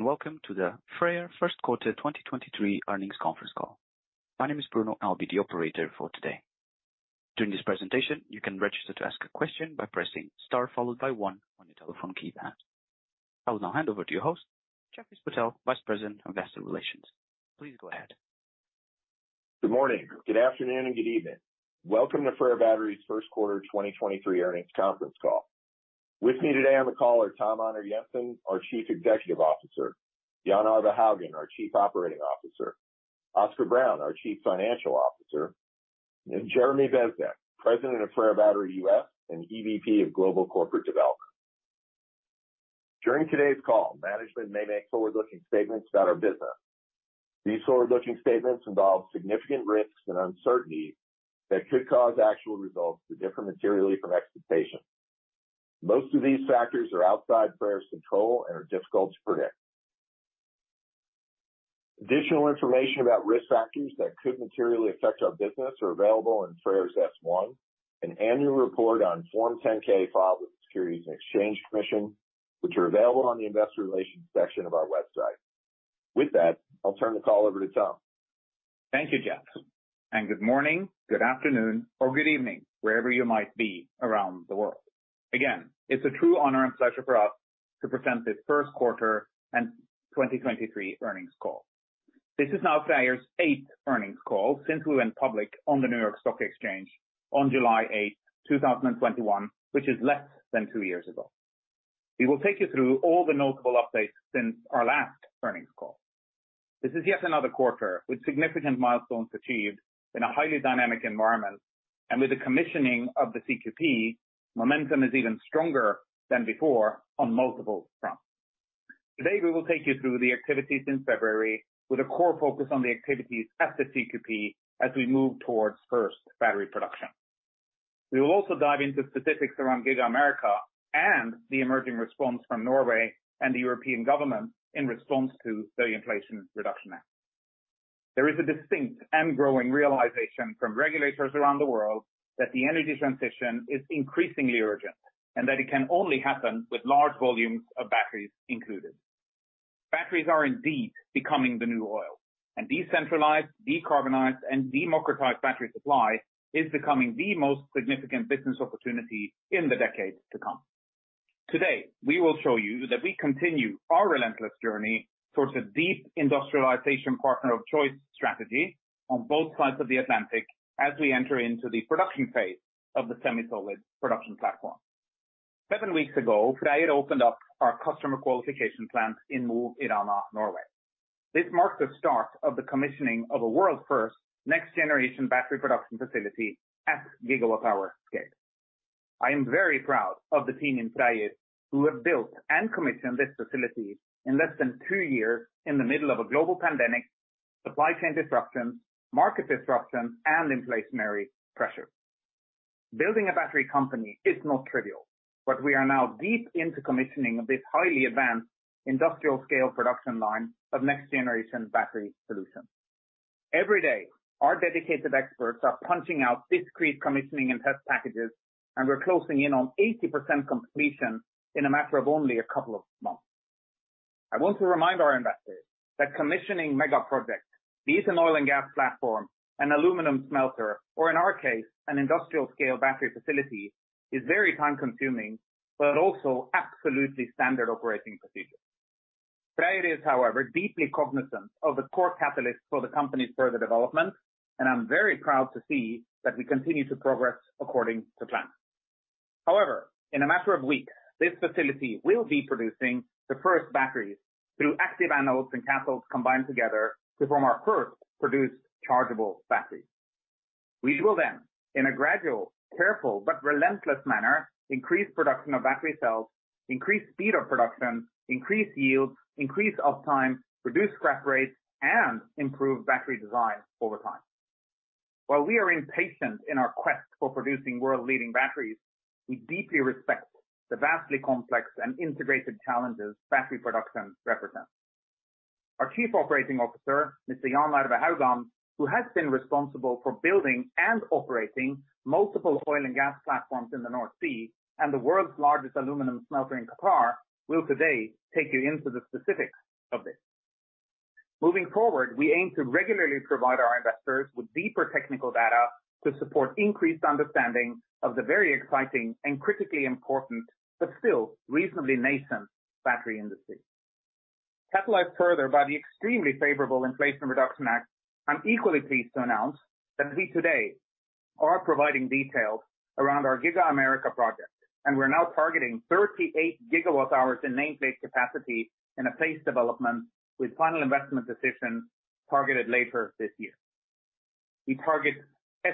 Welcome to the FREYR first quarter 2023 earnings conference call. My name is Bruno, I'll be the operator for today. During this presentation, you can register to ask a question by pressing Star followed by one on your telephone keypad. I will now hand over to your host, Jeff Spittel, Vice President, Investor Relations. Please go ahead. Good morning, good afternoon, and good evening. Welcome to FREYR Battery's first quarter 2023 earnings conference call. With me today on the call are Tom-Einar Jensen, our Chief Executive Officer, Jan Arve Haugan, our Chief Operating Officer, Oscar Brown, our Chief Financial Officer, and Jeremy Bezdek, President of FREYR Battery U.S. and EVP of Global Corporate Development. During today's call, management may make forward-looking statements about our business. These forward-looking statements involve significant risks and uncertainties that could cause actual results to differ materially from expectations. Most of these factors are outside FREYR's control and are difficult to predict. Additional information about risk factors that could materially affect our business are available in FREYR's Form S-1 and annual report on Form 10-K filed with the Securities and Exchange Commission, which are available on the investor relations section of our website. With that, I'll turn the call over to Tom. Thank you, Jeff. Good morning, good afternoon, or good evening, wherever you might be around the world. Again, it's a true honor and pleasure for us to present this first quarter and 2023 earnings call. This is now FREYR's eighth earnings call since we went public on the New York Stock Exchange on July eighth, 2021, which is less than two years ago. We will take you through all the notable updates since our last earnings call. This is yet another quarter with significant milestones achieved in a highly dynamic environment. With the commissioning of the CQP, momentum is even stronger than before on multiple fronts. Today, we will take you through the activities in February with a core focus on the activities at the CQP as we move towards first battery production. We will also dive into specifics around Giga America and the emerging response from Norway and the European government in response to the Inflation Reduction Act. There is a distinct and growing realization from regulators around the world that the energy transition is increasingly urgent, and that it can only happen with large volumes of batteries included. Batteries are indeed becoming the new oil, and decentralized, decarbonized, and democratized battery supply is becoming the most significant business opportunity in the decades to come. Today, we will show you that we continue our relentless journey towards a deep industrialization partner of choice strategy on both sides of the Atlantic as we enter into the production phase of the SemiSolid production platform. Seven weeks ago, FREYR had opened up our Customer Qualification Plant in Mo i Rana, Norway. This marked the start of the commissioning of a world first next-generation battery production facility at gigawatt power scale. I am very proud of the team in FREYR who have built and commissioned this facility in less than two years in the middle of a global pandemic, supply chain disruption, market disruption, and inflationary pressure. Building a battery company is not trivial, but we are now deep into commissioning this highly advanced industrial-scale production line of next-generation battery solutions. Every day, our dedicated experts are punching out discrete commissioning and test packages, and we're closing in on 80% completion in a matter of only a couple of months. I want to remind our investors that commissioning mega projects, be it an oil and gas platform, an aluminum smelter, or in our case, an industrial-scale battery facility, is very time-consuming, but also absolutely Standard Operating Procedure. FREYR is, however, deeply cognizant of the core catalyst for the company's further development. I'm very proud to see that we continue to progress according to plan. However, in a matter of weeks, this facility will be producing the first batteries through active anodes and capsules combined together to form our first produced chargeable battery. We will, in a gradual, careful, but relentless manner, increase production of battery cells, increase speed of production, increase yields, increase off time, reduce scrap rates, and improve battery design over time. While we are impatient in our quest for producing world-leading batteries, we deeply respect the vastly complex and integrated challenges battery production represents. Our Chief Operating Officer, Mr. Jan Arve Haugan, who has been responsible for building and operating multiple oil and gas platforms in the North Sea and the world's largest aluminum smelter in Qatar, will today take you into the specifics of this. Moving forward, we aim to regularly provide our investors with deeper technical data to support increased understanding of the very exciting and critically important, but still reasonably nascent battery industry. Catalyzed further by the extremely favorable Inflation Reduction Act, I'm equally pleased to announce that we today are providing details around our Giga America project, and we're now targeting 38 GWh in nameplate capacity in a phased development with final investment decision targeted later this year. We target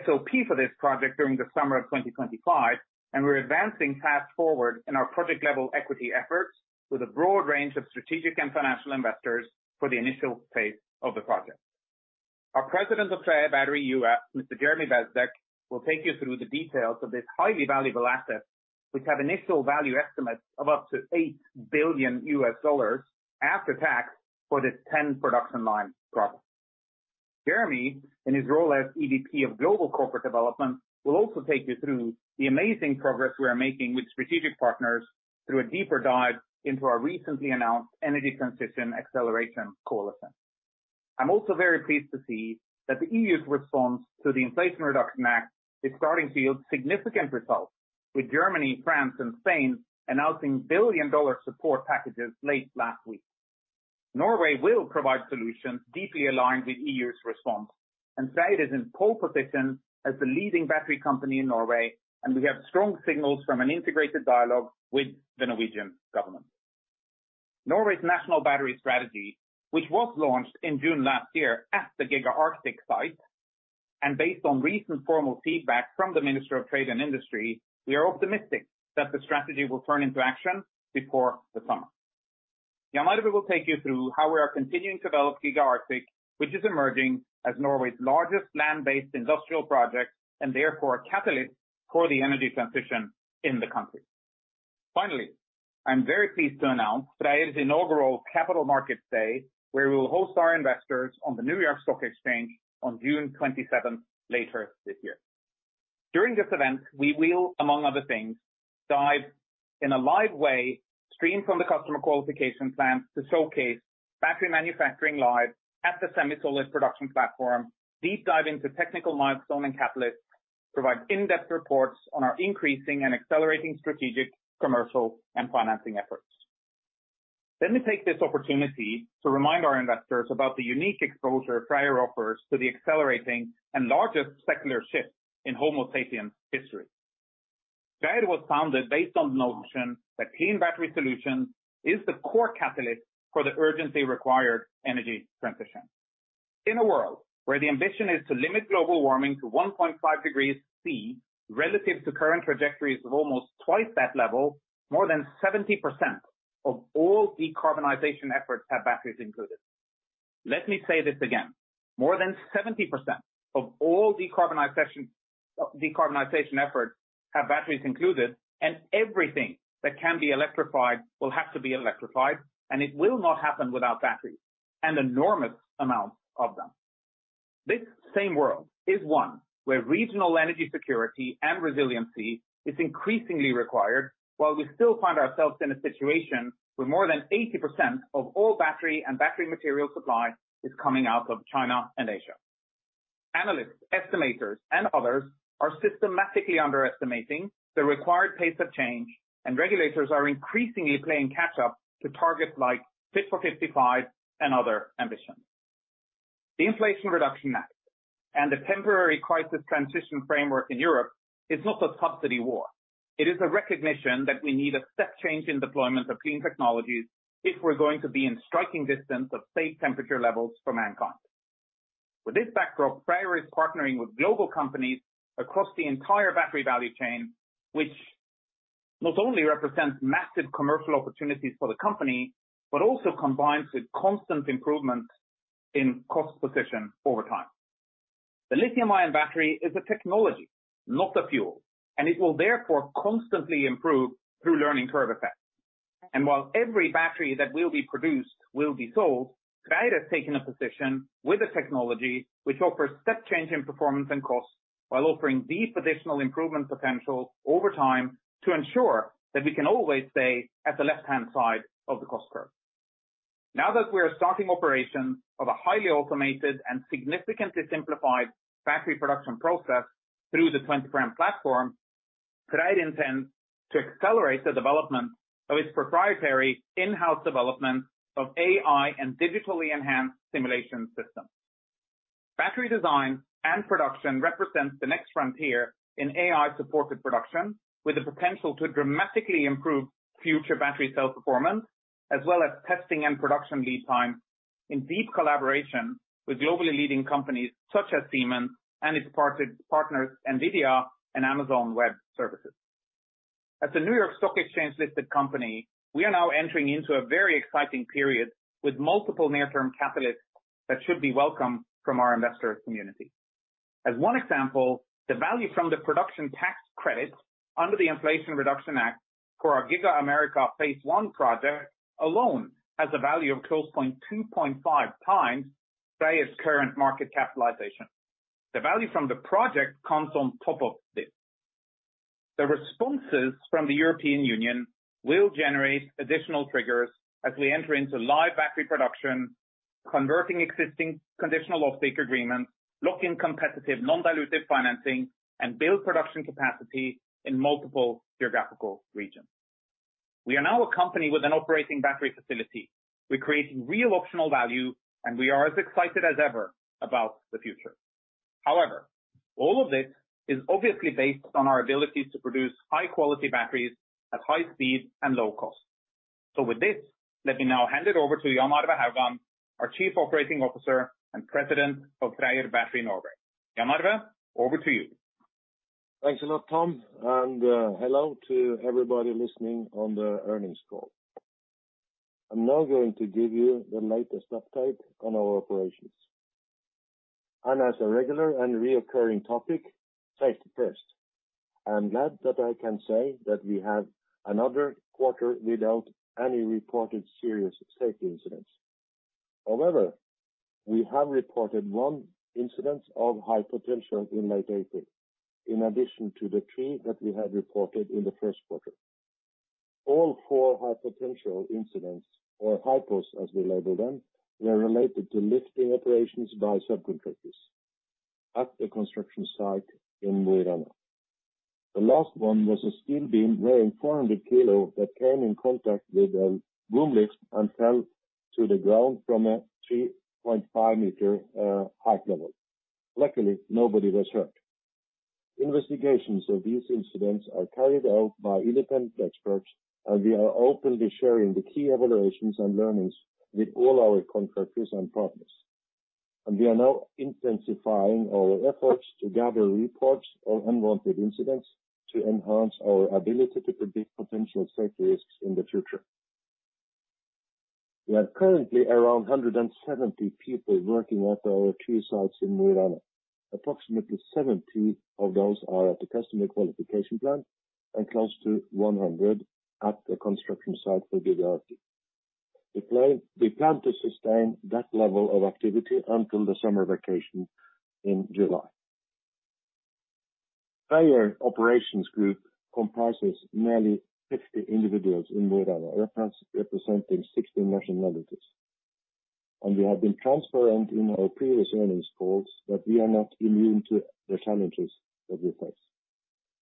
SOP for this project during the summer of 2025. We're advancing fast forward in our project level equity efforts with a broad range of strategic and financial investors for the initial phase of the project. Our President of FREYR Battery U.S., Mr. Jeremy Bezdek, will take you through the details of this highly valuable asset, which have initial value estimates of up to $8 billion after tax for this 10-production line project. Jeremy, in his role as EVP of Global Corporate Development, will also take you through the amazing progress we are making with strategic partners through a deeper dive into our recently announced Energy Transition Acceleration Coalition. I'm also very pleased to see that the EU's response to the Inflation Reduction Act is starting to yield significant results, with Germany, France, and Spain announcing billion-dollar support packages late last week. Norway will provide solutions deeply aligned with EU's response. FREYR is in pole position as the leading battery company in Norway, and we have strong signals from an integrated dialogue with the Norwegian government. Norway's national battery strategy, which was launched in June last year at the Giga Arctic site. Based on recent formal feedback from the Minister of Trade and Industry, we are optimistic that the strategy will turn into action before the summer. Jan Arve will take you through how we are continuing to develop Giga Arctic, which is emerging as Norway's largest land-based industrial project, and therefore a catalyst for the energy transition in the country. Finally, I'm very pleased to announce FREYR's inaugural Capital Markets Day, where we will host our investors on the New York Stock Exchange on June 27th, later this year. During this event, we will, among other things, dive in a live way, stream from the Customer Qualification Plant to showcase battery manufacturing live at the SemiSolid production platform, deep dive into technical milestone and catalysts, provide in-depth reports on our increasing and accelerating strategic, commercial, and financing efforts. Let me take this opportunity to remind our investors about the unique exposure FREYR offers to the accelerating and largest secular shift in Homo sapiens history. FREYR was founded based on the notion that clean battery solutions is the core catalyst for the urgency required energy transition. In a world where the ambition is to limit global warming to 1.5 degrees C relative to current trajectories of almost twice that level, more than 70% of all decarbonization efforts have batteries included. Let me say this again. More than 70% of all decarbonization efforts have batteries included. Everything that can be electrified will have to be electrified. It will not happen without batteries, enormous amounts of them. This same world is one where regional energy security and resiliency is increasingly required, while we still find ourselves in a situation where more than 80% of all battery and battery material supply is coming out of China and Asia. Analysts, estimators, others are systematically underestimating the required pace of change. Regulators are increasingly playing catch up to targets like Fit for 55 and other ambitions. The Inflation Reduction Act and the Temporary Crisis and Transition Framework in Europe is not a subsidy war. It is a recognition that we need a step change in deployment of clean technologies if we're going to be in striking distance of safe temperature levels for mankind. With this backdrop, FREYR is partnering with global companies across the entire battery value chain, which not only represents massive commercial opportunities for the company, but also combines with constant improvement in cost position over time. The lithium-ion battery is a technology, not a fuel, and it will therefore constantly improve through learning curve effects. While every battery that will be produced will be sold, FREYR has taken a position with a technology which offers step change in performance and cost while offering deep additional improvement potential over time to ensure that we can always stay at the left-hand side of the cost curve. Now that we are starting operations of a highly automated and significantly simplified battery production process through the 24M platform, FREYR intends to accelerate the development of its proprietary in-house development of AI and digitally enhanced simulation system. Battery design and production represents the next frontier in AI-supported production, with the potential to dramatically improve future battery cell performance, as well as testing and production lead time in deep collaboration with globally leading companies such as Siemens and its partners NVIDIA and Amazon Web Services. As a New York Stock Exchange-listed company, we are now entering into a very exciting period with multiple near-term catalysts that should be welcome from our investor community. As one example, the value from the Production Tax Credits under the Inflation Reduction Act for our Giga America phase I project alone has a value of close 2.5x FREYR's current market capitalization. The value from the project comes on top of this. The responses from the European Union will generate additional triggers as we enter into live battery production, converting existing conditional off-take agreements, lock in competitive non-dilutive financing, and build production capacity in multiple geographical regions. We are now a company with an operating battery facility. We're creating real optional value. We are as excited as ever about the future. However, all of this is obviously based on our ability to produce high-quality batteries at high speed and low cost. With this, let me now hand it over to Jan Arve Haugan, our Chief Operating Officer and President of FREYR Battery Norway. Jan Arve, over to you. Thanks a lot, Tom. Hello to everybody listening on the earnings call. I'm now going to give you the latest update on our operations. As a regular and reoccurring topic, safety first. I'm glad that I can say that we have another quarter without any reported serious safety incidents. However, we have reported 1 incident of high potential in late April, in addition to the 3 that we had reported in the first quarter. All 4 high potential incidents or HiPos, as we label them, were related to lifting operations by subcontractors at the construction site in Mo i Rana. The last one was a steel beam weighing 400 kilo that came in contact with a boom lift and fell to the ground from a 3.5 meter height level. Luckily, nobody was hurt. Investigations of these incidents are carried out by independent experts. We are openly sharing the key evaluations and learnings with all our contractors and partners. We are now intensifying our efforts to gather reports of unwanted incidents to enhance our ability to predict potential safety risks in the future. We have currently around 170 people working at our two sites in Mo i Rana. Approximately 70 of those are at the Customer Qualification Plant and close to 100 at the construction site for Giga Arctic. We plan to sustain that level of activity until the summer vacation in July. Our operations group comprises nearly 50 individuals in Mo i Rana, representing 16 nationalities. We have been transparent in our previous earnings calls that we are not immune to the challenges that we face.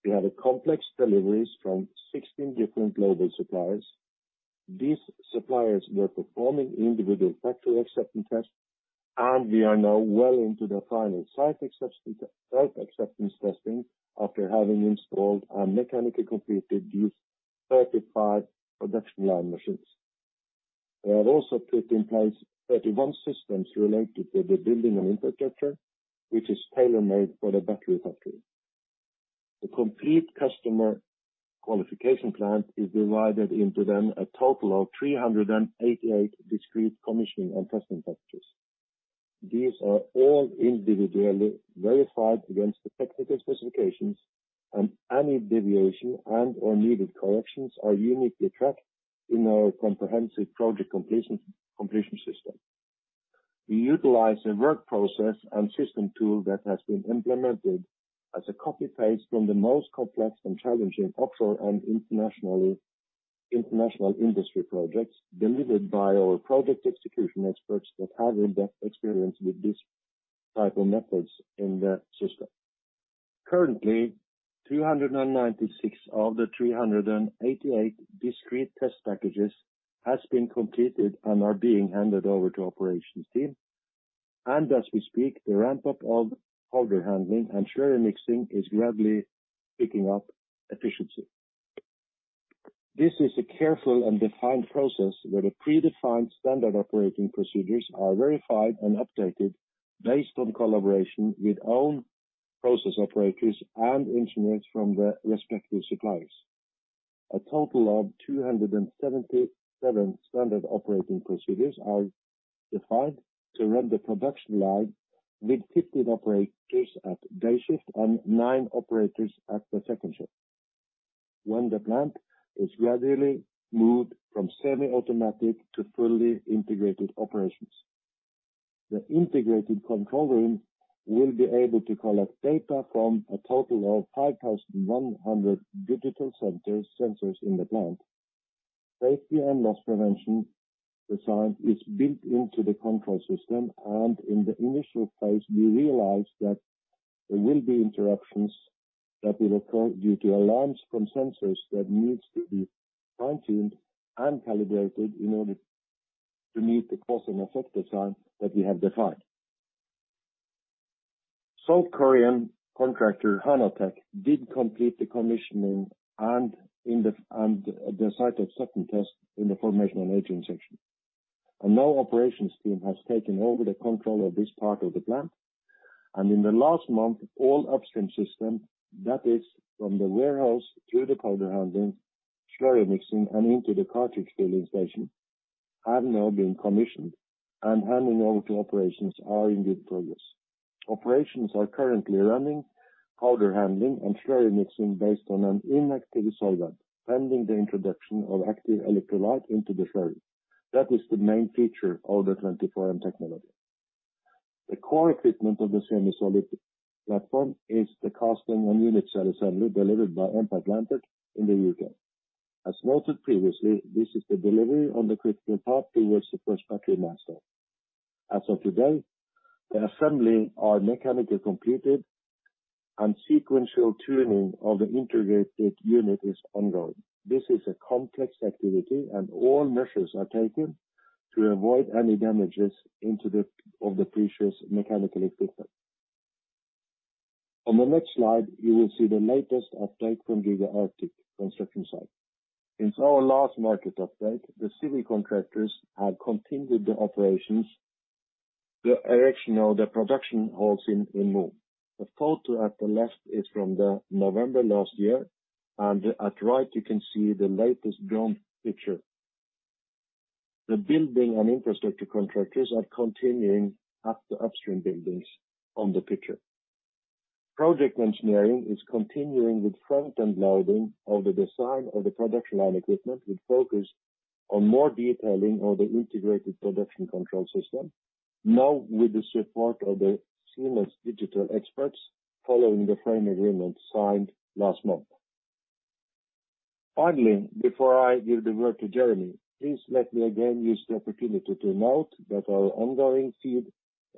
We have a complex deliveries from 16 different global suppliers. These suppliers were performing individual Factory Acceptance Tests. We are now well into the final Site Acceptance Testing after having installed and mechanically completed these 35 production line machines. We have also put in place 31 systems related to the building and infrastructure, which is tailor-made for the battery factory. The complete Customer Qualification Plant is divided into a total of 388 discrete commissioning and testing packages. These are all individually verified against the technical specifications. Any deviation and/or needed corrections are uniquely tracked in our comprehensive project completion system. We utilize a work process and system tool that has been implemented as a copy-paste from the most complex and challenging offshore and international industry projects delivered by our project execution experts that have in-depth experience with this type of methods in the system. Currently, 396 of the 388 discrete test packages has been completed and are being handed over to operations team. As we speak, the ramp-up of powder handling and slurry mixing is gradually picking up efficiency. This is a careful and defined process where the predefined Standard Operating Procedures are verified and updated based on collaboration with own process operators and instruments from the respective suppliers. A total of 277 Standard Operating Procedures are defined to run the production line with 15 operators at day shift and 9 operators at the second shift when the plant is gradually moved from semi-automatic to fully integrated operations. The integrated control room will be able to collect data from a total of 5,100 digital sensors in the plant. Safety and loss prevention design is built into the control system, in the initial phase, we realize that there will be interruptions that will occur due to alarms from sensors that needs to be fine-tuned and calibrated in order to meet the cause and effect design that we have defined. South Korean contractor Hanwha Vision did complete the commissioning and the Site Acceptance Test in the formation and aging section. Now operations team has taken over the control of this part of the plant. In the last month, all upstream system, that is from the warehouse through the powder handling, slurry mixing, and into the cartridge filling station, have now been commissioned and handing over to operations are in good progress. Operations are currently running powder handling and slurry mixing based on an inactive solvent, pending the introduction of active electrolyte into the slurry. That is the main feature of the 24M technology. The core equipment of the SemiSolid production platform is the casting and unit cell assembly delivered by Amp Atlantis in the U.K. As noted previously, this is the delivery on the critical path towards the first battery master. As of today, the assembly are mechanically completed and sequential tuning of the integrated unit is ongoing. This is a complex activity, all measures are taken to avoid any damages of the precious mechanical equipment. On the next slide, you will see the latest update from Giga Arctic construction site. Since our last market update, the city contractors have continued the operations, the erection of the production halls in Mo. The photo at the left is from the November last year. At right you can see the latest drone picture. The building and infrastructure contractors are continuing at the upstream buildings on the picture. Project engineering is continuing with Front-End Loading of the design of the production line equipment, with focus on more detailing of the integrated production control system, now with the support of the Siemens digital experts following the frame agreement signed last month. Finally, before I give the word to Jeremy, please let me again use the opportunity to note that our ongoing field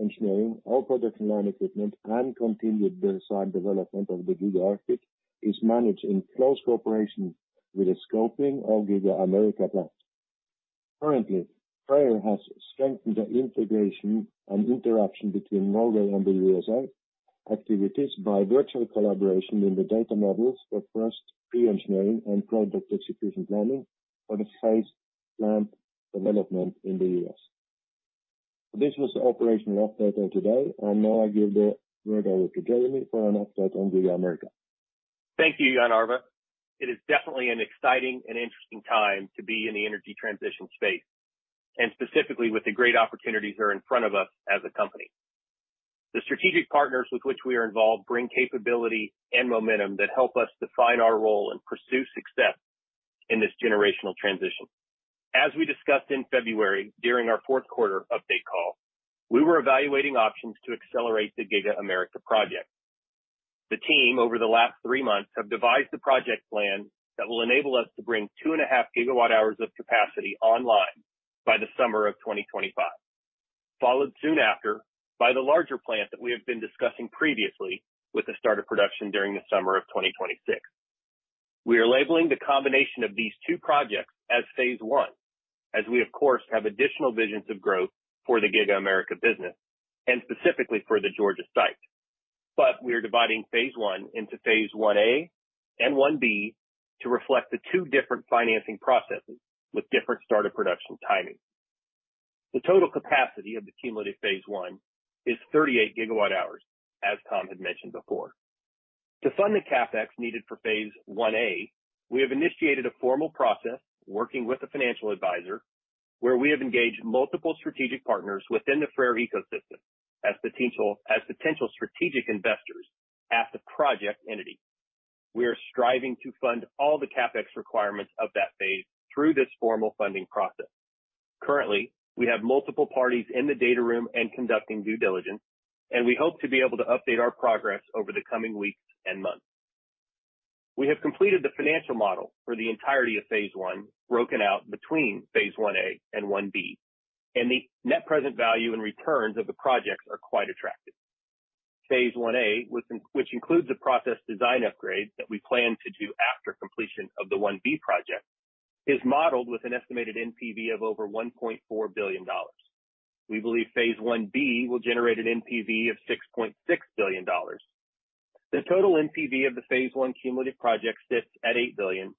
engineering, our production line equipment and continued design development of the Giga Arctic is managed in close cooperation with the scoping of Giga America plant. Currently, FREYR has strengthened the integration and interaction between Norway and the USA activities by virtual collaboration in the data models for first pre-engineering and project execution planning for the phase plant development in the U.S. This was the operational update of today. Now I give the word over to Jeremy for an update on Giga America. Thank you, Jan Arve. It is definitely an exciting and interesting time to be in the energy transition space, and specifically with the great opportunities that are in front of us as a company. The strategic partners with which we are involved bring capability and momentum that help us define our role and pursue success in this generational transition. As we discussed in February during our fourth quarter update call, we were evaluating options to accelerate the Giga America project. The team over the last three months have devised a project plan that will enable us to bring 2.5 GWh of capacity online by the summer of 2025, followed soon after by the larger plant that we have been discussing previously with the start of production during the summer of 2026. We are labeling the combination of these two projects as phase I, as we of course have additional visions of growth for the Giga America business and specifically for the Georgia site. We are dividing phase I into phase IA and phase IB to reflect the two different financing processes with different start of production timing. The total capacity of the cumulative phase I is 38 GWh, as Tom had mentioned before. To fund the CapEx needed for phase IA, we have initiated a formal process, working with a financial advisor, where we have engaged multiple strategic partners within the FREYR ecosystem as potential strategic investors at the project entity. We are striving to fund all the CapEx requirements of that phase through this formal funding process. Currently, we have multiple parties in the data room and conducting due diligence. We hope to be able to update our progress over the coming weeks and months. We have completed the financial model for the entirety of phase I, broken out between phase IA and phase IB. The NPV and returns of the projects are quite attractive. Phase IA, which includes a process design upgrade that we plan to do after completion of the 1B project, is modeled with an estimated NPV of over $1.4 billion. We believe phase IB will generate an NPV of $6.6 billion. The total NPV of the phase I cumulative project sits at $8 billion,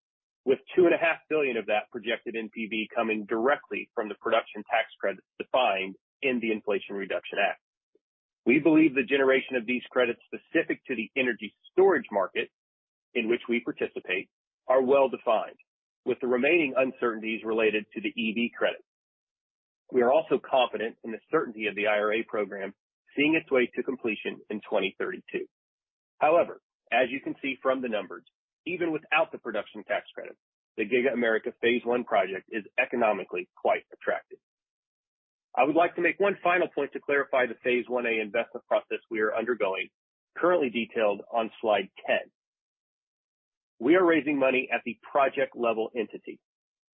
with two and a half billion of that projected NPV coming directly from the Production Tax Credits defined in the Inflation Reduction Act. We believe the generation of these credits specific to the energy storage market in which we participate are well defined, with the remaining uncertainties related to the EV credits. We are also confident in the certainty of the IRA program seeing its way to completion in 2032. As you can see from the numbers, even without the Production Tax Credit, the Giga America phase I project is economically quite attractive. I would like to make one final point to clarify the phase IA investment process we are undergoing, currently detailed on Slide 10. We are raising money at the project level entity,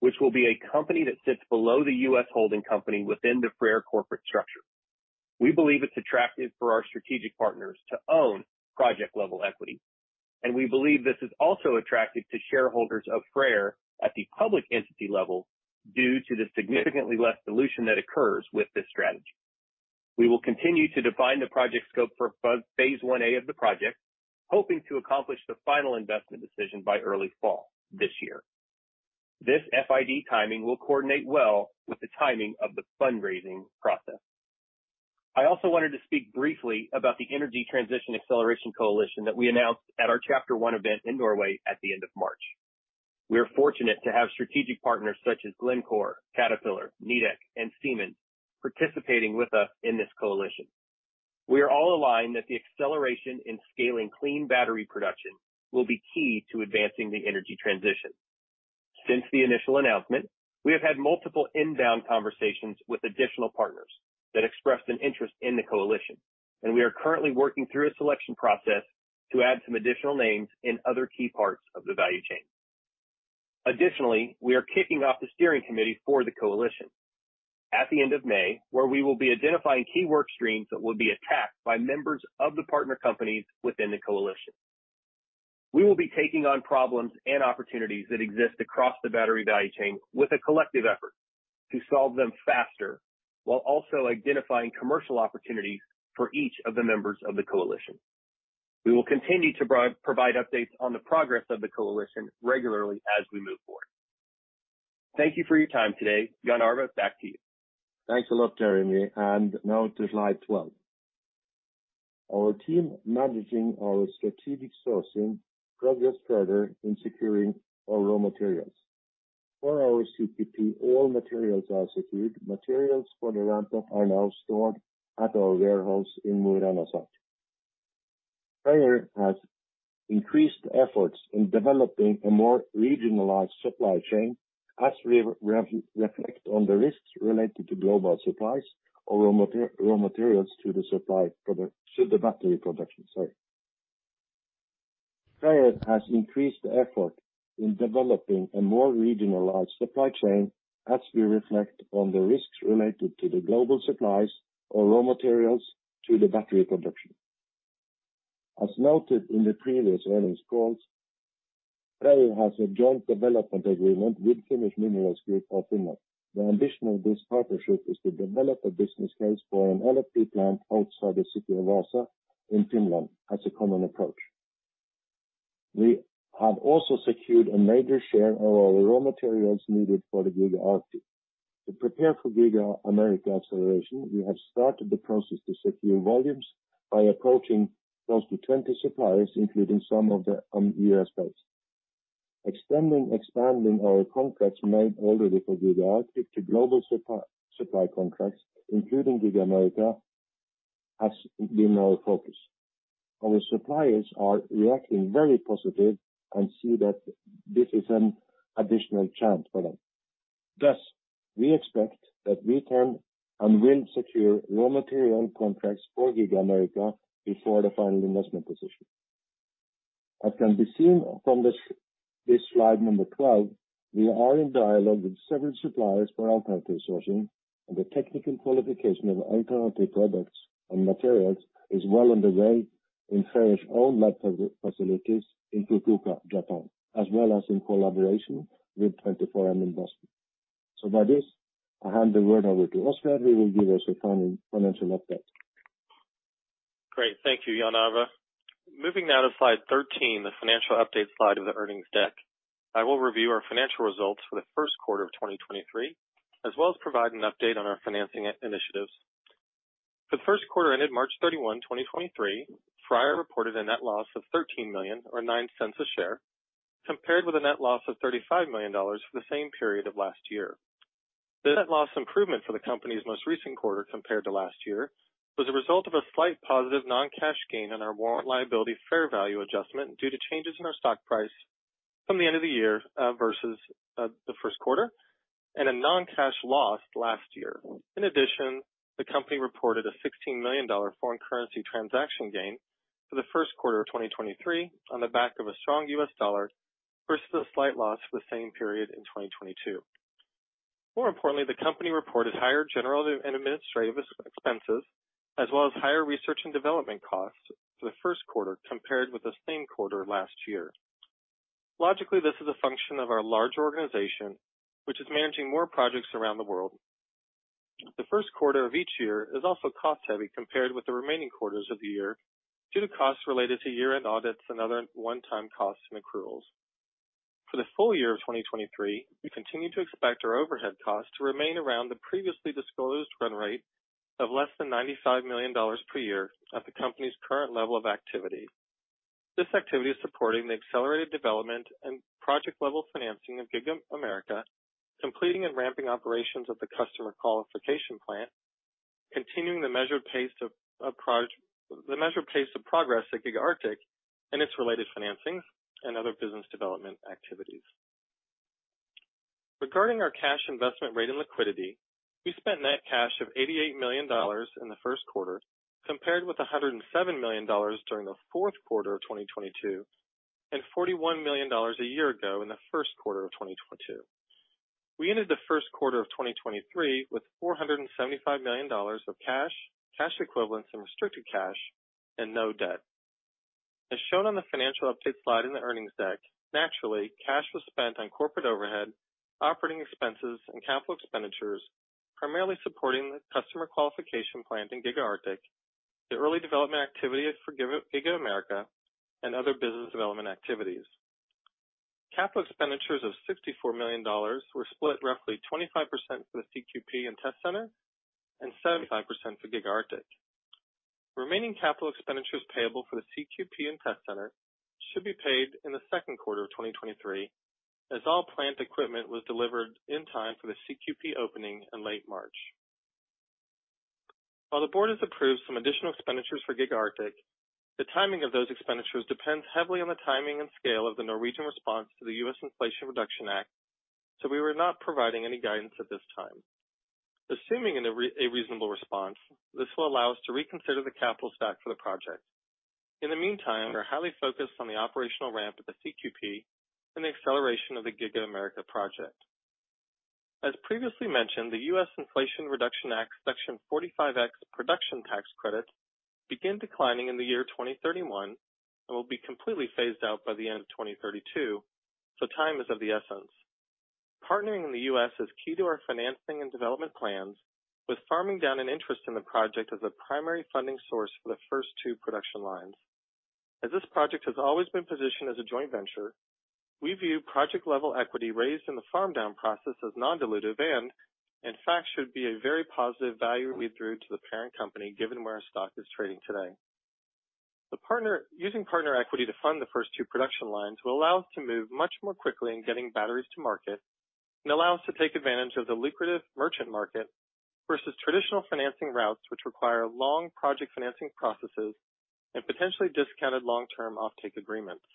which will be a company that sits below the U.S. holding company within the FREYR corporate structure. We believe it's attractive for our strategic partners to own project level equity. We believe this is also attractive to shareholders of FREYR at the public entity level due to the significantly less dilution that occurs with this strategy. We will continue to define the project scope for phase IA of the project, hoping to accomplish the final investment decision by early fall this year. This FID timing will coordinate well with the timing of the fundraising process. I also wanted to speak briefly about the Energy Transition Acceleration Coalition that we announced at our Chapter One event in Norway at the end of March. We are fortunate to have strategic partners such as Glencore, Caterpillar, Nidec, and Siemens participating with us in this coalition. We are all aligned that the acceleration in scaling clean battery production will be key to advancing the energy transition. Since the initial announcement, we have had multiple inbound conversations with additional partners that expressed an interest in the coalition, and we are currently working through a selection process to add some additional names in other key parts of the value chain. We are kicking off the steering committee for the coalition at the end of May, where we will be identifying key work streams that will be attacked by members of the partner companies within the coalition. We will be taking on problems and opportunities that exist across the battery value chain with a collective effort to solve them faster, while also identifying commercial opportunities for each of the members of the coalition. We will continue to provide updates on the progress of the coalition regularly as we move forward. Thank you for your time today. Jan Arve, back to you. Thanks a lot, Jeremy. Now to Slide 12. Our team managing our strategic sourcing progressed further in securing our raw materials. For our CQP, all materials are secured. Materials for the ramp-up are now stored at our warehouse in Mo i Rana site. FREYR has increased efforts in developing a more regionalized supply chain as we reflect on the risks related to global supplies or raw materials to the battery production. Sorry. FREYR has increased effort in developing a more regionalized supply chain as we reflect on the risks related to the global supplies or raw materials to the battery production. As noted in the previous earnings calls, FREYR has a joint development agreement with Finnish Minerals Group of Finland. The ambition of this partnership is to develop a business case for an LFP plant outside the city of Vaasa in Finland as a common approach. We have also secured a major share of our raw materials needed for the Giga Arctic. To prepare for Giga America acceleration, we have started the process to secure volumes by approaching close to 20 suppliers, including some of the U.S.-based. Extending, expanding our contracts made already for Giga Arctic to global supply contracts, including Giga America, has been our focus. Our suppliers are reacting very positive and see that this is an additional chance for them. Thus, we expect that we can and will secure raw material contracts for Giga America before the final investment decision. As can be seen from this slide number 12, we are in dialogue with several suppliers for alternative sourcing and the technical qualification of alternative products and materials is well underway in FREYR's own lab facilities in Fukuoka, Japan, as well as in collaboration with 24M Investment. With this, I hand the word over to Oscar, who will give us a final financial update. Great. Thank you, Jan Arve. Moving now to Slide 13, the financial update slide of the earnings deck. I will review our financial results for the first quarter of 2023, as well as provide an update on our financing initiatives. The first quarter ended March 31, 2023. FREYR reported a net loss of $13 million or $0.09 a share, compared with a net loss of $35 million for the same period of last year. The net loss improvement for the company's most recent quarter compared to last year was a result of a slight positive non-cash gain on our warrant liability fair value adjustment due to changes in our stock price from the end of the year versus the first quarter and a non-cash loss last year. In addition, the company reported a $16 million foreign currency transaction gain for the first quarter of 2023 on the back of a strong U.S. dollar versus a slight loss for the same period in 2022. More importantly, the company reported higher general and administrative expenses as well as higher research and development costs for the first quarter compared with the same quarter last year. Logically, this is a function of our large organization, which is managing more projects around the world. The first quarter of each year is also cost-heavy compared with the remaining quarters of the year due to costs related to year-end audits and other one-time costs and accruals. For the full year of 2023, we continue to expect our overhead costs to remain around the previously disclosed run rate of less than $95 million per year at the company's current level of activity. This activity is supporting the accelerated development and project-level financing of Giga America, completing and ramping operations of the Customer Qualification Plant, continuing the measured pace of progress at Giga Arctic and its related financing and other business development activities. Regarding our cash investment rate and liquidity, we spent net cash of $88 million in the first quarter, compared with $107 million during the fourth quarter of 2022 and $41 million a year ago in the first quarter of 2022. We ended the first quarter of 2023 with $475 million of cash equivalents, and restricted cash and no debt. As shown on the financial update slide in the earnings deck, naturally, cash was spent on corporate overhead, operating expenses, and Capital expenditures, primarily supporting the Customer Qualification Plant in Giga Arctic, the early development activity at Giga America, and other business development activities. Capital expenditures of $64 million were split roughly 25% for the CQP and test center and 75% for Giga Arctic. Remaining Capital expenditures payable for the CQP and test center should be paid in the second quarter of 2023, as all plant equipment was delivered in time for the CQP opening in late March. While the board has approved some additional expenditures for Giga Arctic, the timing of those expenditures depends heavily on the timing and scale of the Norwegian response to the US Inflation Reduction Act, we are not providing any guidance at this time. Assuming a reasonable response, this will allow us to reconsider the capital stack for the project. In the meantime, we're highly focused on the operational ramp at the CQP and the acceleration of the Giga America project. As previously mentioned, the U.S. Inflation Reduction Act Section 45X production tax credits begin declining in the year 2031 and will be completely phased out by the end of 2032, time is of the essence. Partnering in the U.S. is key to our financing and development plans, with farm-down an interest in the project as a primary funding source for the first two production lines. As this project has always been positioned as a joint venture, we view project level equity raised in the farm-down process as non-dilutive and in fact should be a very positive value we drew to the parent company given where our stock is trading today. Using partner equity to fund the first two production lines will allow us to move much more quickly in getting batteries to market and allow us to take advantage of the lucrative merchant market versus traditional financing routes, which require long project financing processes and potentially discounted long-term offtake agreements.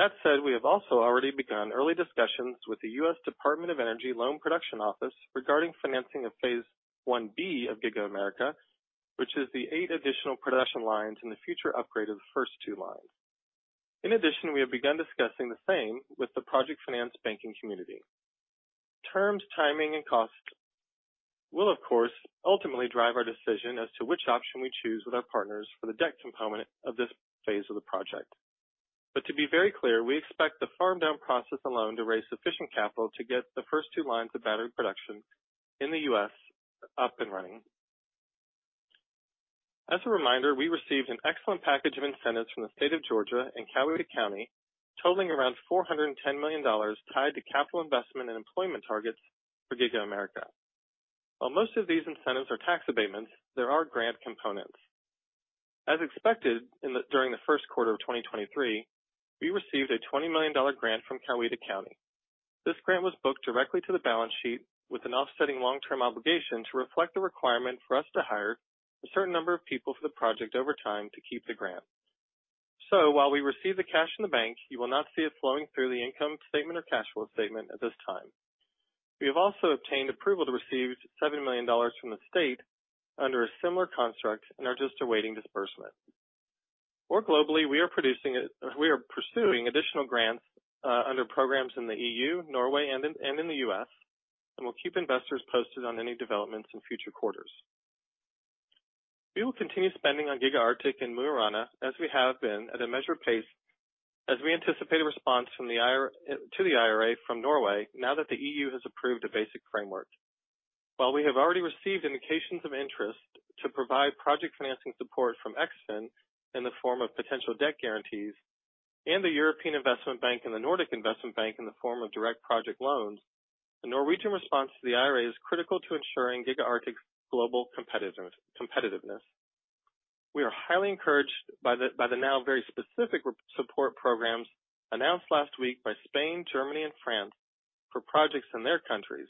We have also already begun early discussions with the U.S. Department of Energy Loan Programs Office regarding financing of phase IB of Giga America, which is the eight additional production lines in the future upgrade of the first two lines. We have begun discussing the same with the project finance banking community. Terms, timing, and cost will of course, ultimately drive our decision as to which option we choose with our partners for the debt component of this phase of the project. To be very clear, we expect the farm-down process alone to raise sufficient capital to get the first twI lines of battery production in the U.S. up and running. As a reminder, we received an excellent package of incentives from the state of Georgia and Coweta County, totaling around $410 million tied to capital investment and employment targets for Giga America. While most of these incentives are tax abatements, there are grant components. As expected during the first quarter of 2023, we received a $20 million grant from Coweta County. This grant was booked directly to the balance sheet with an offsetting long-term obligation to reflect the requirement for us to hire a certain number of people for the project over time to keep the grant. While we receive the cash in the bank, you will not see it flowing through the income statement or cash flow statement at this time. We have also obtained approval to receive $70 million from the state under a similar construct and are just awaiting disbursement. More globally, we are pursuing additional grants under programs in the EU, Norway, and in the U.S., and we'll keep investors posted on any developments in future quarters. We will continue spending on Giga Arctic in Mo i Rana, as we have been at a measured pace as we anticipate a response to the IRA from Norway now that the EU has approved a basic framework. While we have already received indications of interest to provide project financing support from EKN in the form of potential debt guarantees, and the European Investment Bank and the Nordic Investment Bank in the form of direct project loans, the Norwegian response to the IRA is critical to ensuring Giga Arctic's global competitiveness. We are highly encouraged by the now very specific support programs announced last week by Spain, Germany, and France for projects in their countries.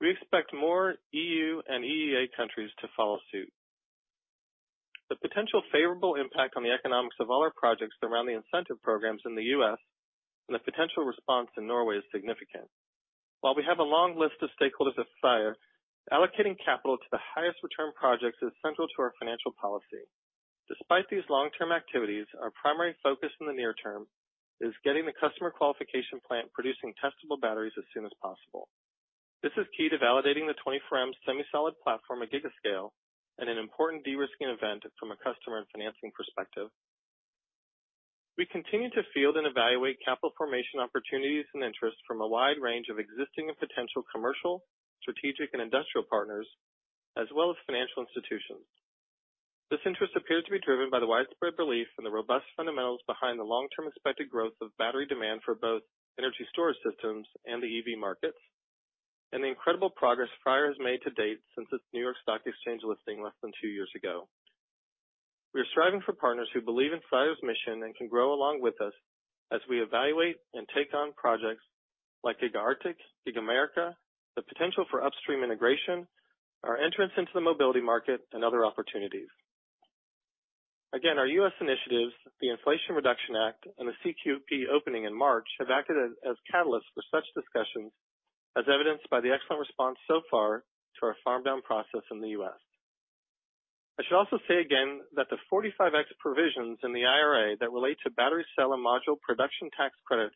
We expect more EU and EEA countries to follow suit. The potential favorable impact on the economics of all our projects around the incentive programs in the U.S. and the potential response in Norway is significant. While we have a long list of stakeholders at FREYR, allocating capital to the highest return projects is central to our financial policy. Despite these long-term activities, our primary focus in the near term is getting the Customer Qualification Plant producing testable batteries as soon as possible. This is key to validating the 24M SemiSolid platform at giga scale and an important de-risking event from a customer and financing perspective. We continue to field and evaluate capital formation opportunities and interest from a wide range of existing and potential commercial, strategic, and industrial partners, as well as financial institutions. This interest appears to be driven by the widespread belief in the robust fundamentals behind the long-term expected growth of battery demand for both energy storage systems and the EV markets, and the incredible progress FREYR has made to date since its New York Stock Exchange listing less than 2 years ago. We are striving for partners who believe in FREYR's mission and can grow along with us as we evaluate and take on projects like Giga Arctic, Giga America, the potential for upstream integration, our entrance into the mobility market, and other opportunities. Our U.S. initiatives, the Inflation Reduction Act, and the CQP opening in March, have acted as catalysts for such discussions, as evidenced by the excellent response so far to our farm-down process in the U.S. I should also say again that the 45X provisions in the IRA that relate to battery cell and module Production Tax Credits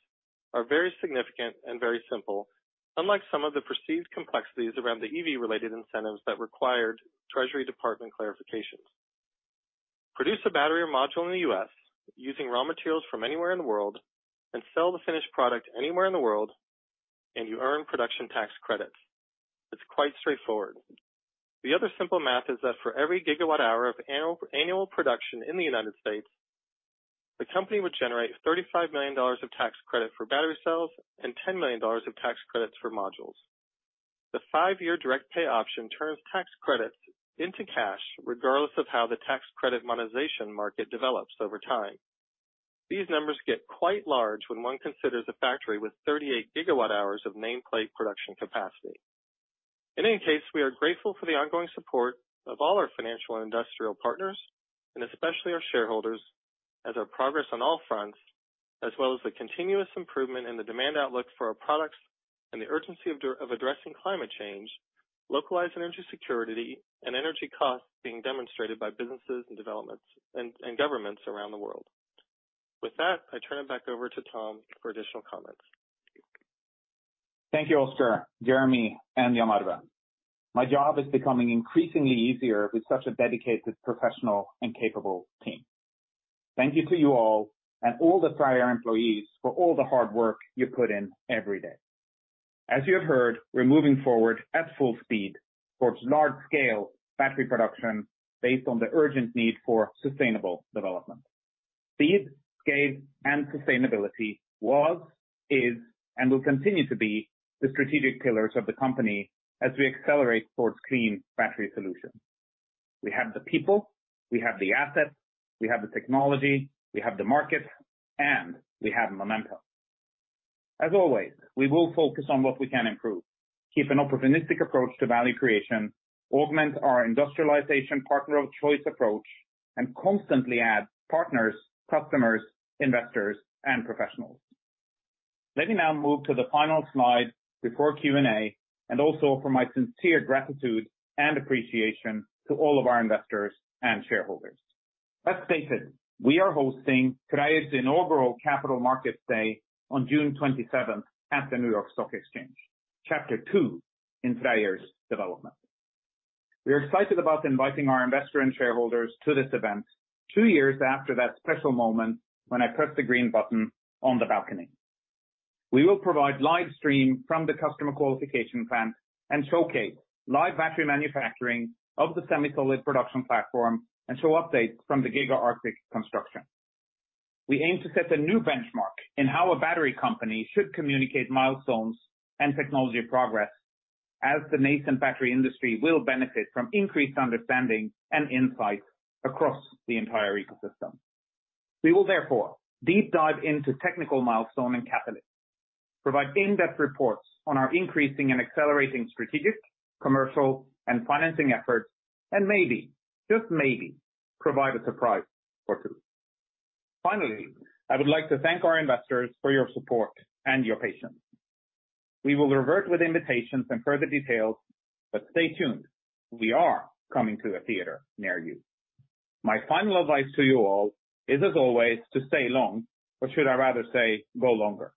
are very significant and very simple, unlike some of the perceived complexities around the EV-related incentives that required Treasury Department clarifications. Produce a battery or module in the U.S. using raw materials from anywhere in the world, and sell the finished product anywhere in the world, and you earn Production Tax Credits. It's quite straightforward. The other simple math is that for every gigawatt hour of annual production in the United States, the company would generate $35 million of tax credit for battery cells and $10 million of tax credits for modules. The five-year direct pay option turns tax credits into cash, regardless of how the tax credit monetization market develops over time. These numbers get quite large when one considers a factory with 38 GWh of nameplate production capacity. We are grateful for the ongoing support of all our financial and industrial partners, and especially our shareholders, as our progress on all fronts, as well as the continuous improvement in the demand outlook for our products and the urgency of addressing climate change, localized energy security and energy costs being demonstrated by businesses and developments and governments around the world. With that, I turn it back over to Tom for additional comments. Thank you, Oscar, Jeremy, and Jan Arve. My job is becoming increasingly easier with such a dedicated, professional, and capable team. Thank you to you all and all the FREYR employees for all the hard work you put in every day. As you have heard, we're moving forward at full speed towards large-scale battery production based on the urgent need for sustainable development. Speed, scale and sustainability was, is, and will continue to be the strategic pillars of the company as we accelerate towards clean battery solutions. We have the people, we have the assets, we have the technology, we have the market, and we have momentum. As always, we will focus on what we can improve, keep an opportunistic approach to value creation, augment our industrialization partner of choice approach, and constantly add partners, customers, investors, and professionals. Let me now move to the final slide before Q&A and also for my sincere gratitude and appreciation to all of our investors and shareholders. As stated, we are hosting today's inaugural Capital Markets Day on June 27th at the New York Stock Exchange, chapter two in FREYR's development. We are excited about inviting our investor and shareholders to this event 2 years after that special moment when I pressed the green button on the balcony. We will provide live stream from the Customer Qualification Plant and showcase live battery manufacturing of the SemiSolid production platform and show updates from the Giga Arctic construction. We aim to set a new benchmark in how a battery company should communicate milestones and technology progress as the nascent battery industry will benefit from increased understanding and insight across the entire ecosystem. We will therefore deep dive into technical milestone and catalysts, provide in-depth reports on our increasing and accelerating strategic, commercial, and financing efforts, and maybe, just maybe, provide a surprise or two. Finally, I would like to thank our investors for your support and your patience. We will revert with invitations and further details, but stay tuned. We are coming to a theater near you. My final advice to you all is, as always, to stay long, or should I rather say, go longer.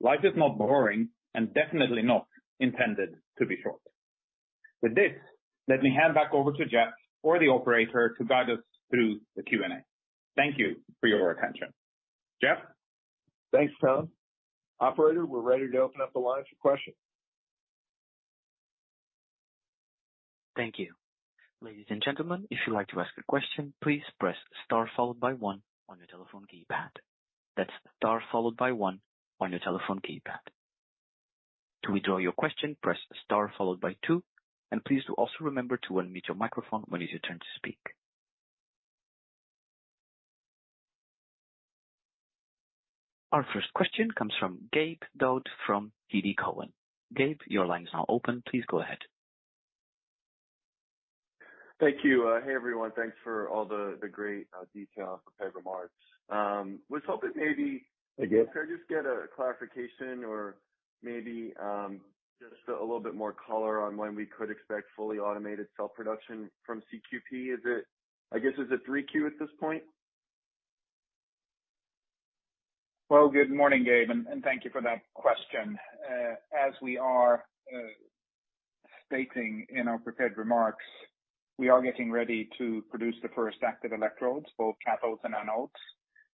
Life is not boring and definitely not intended to be short. With this, let me hand back over to Jeff or the operator to guide us through the Q&A. Thank you for your attention. Jeff? Thanks, Tom. Operator, we're ready to open up the line for questions. Thank you. Ladies and gentlemen, if you'd like to ask a question, please press star followed by one on your telephone keypad. That's star followed by one on your telephone keypad. To withdraw your question, press star followed by two, and please do also remember to unmute your microphone when it's your turn to speak. Our first question comes from Gabriel Daoud from TD Cowen. Gabe, your line is now open. Please go ahead. Thank you. Hey, everyone. Thanks for all the great detail, prepared remarks. Hey, Gabe If I could just get a clarification or maybe, just a little bit more color on when we could expect fully automated cell production from CQP. I guess, is it 3Q at this point? Well, good morning, Gabe, and thank you for that question. As we are stating in our prepared remarks, we are getting ready to produce the first active electrodes, both cathodes and anodes,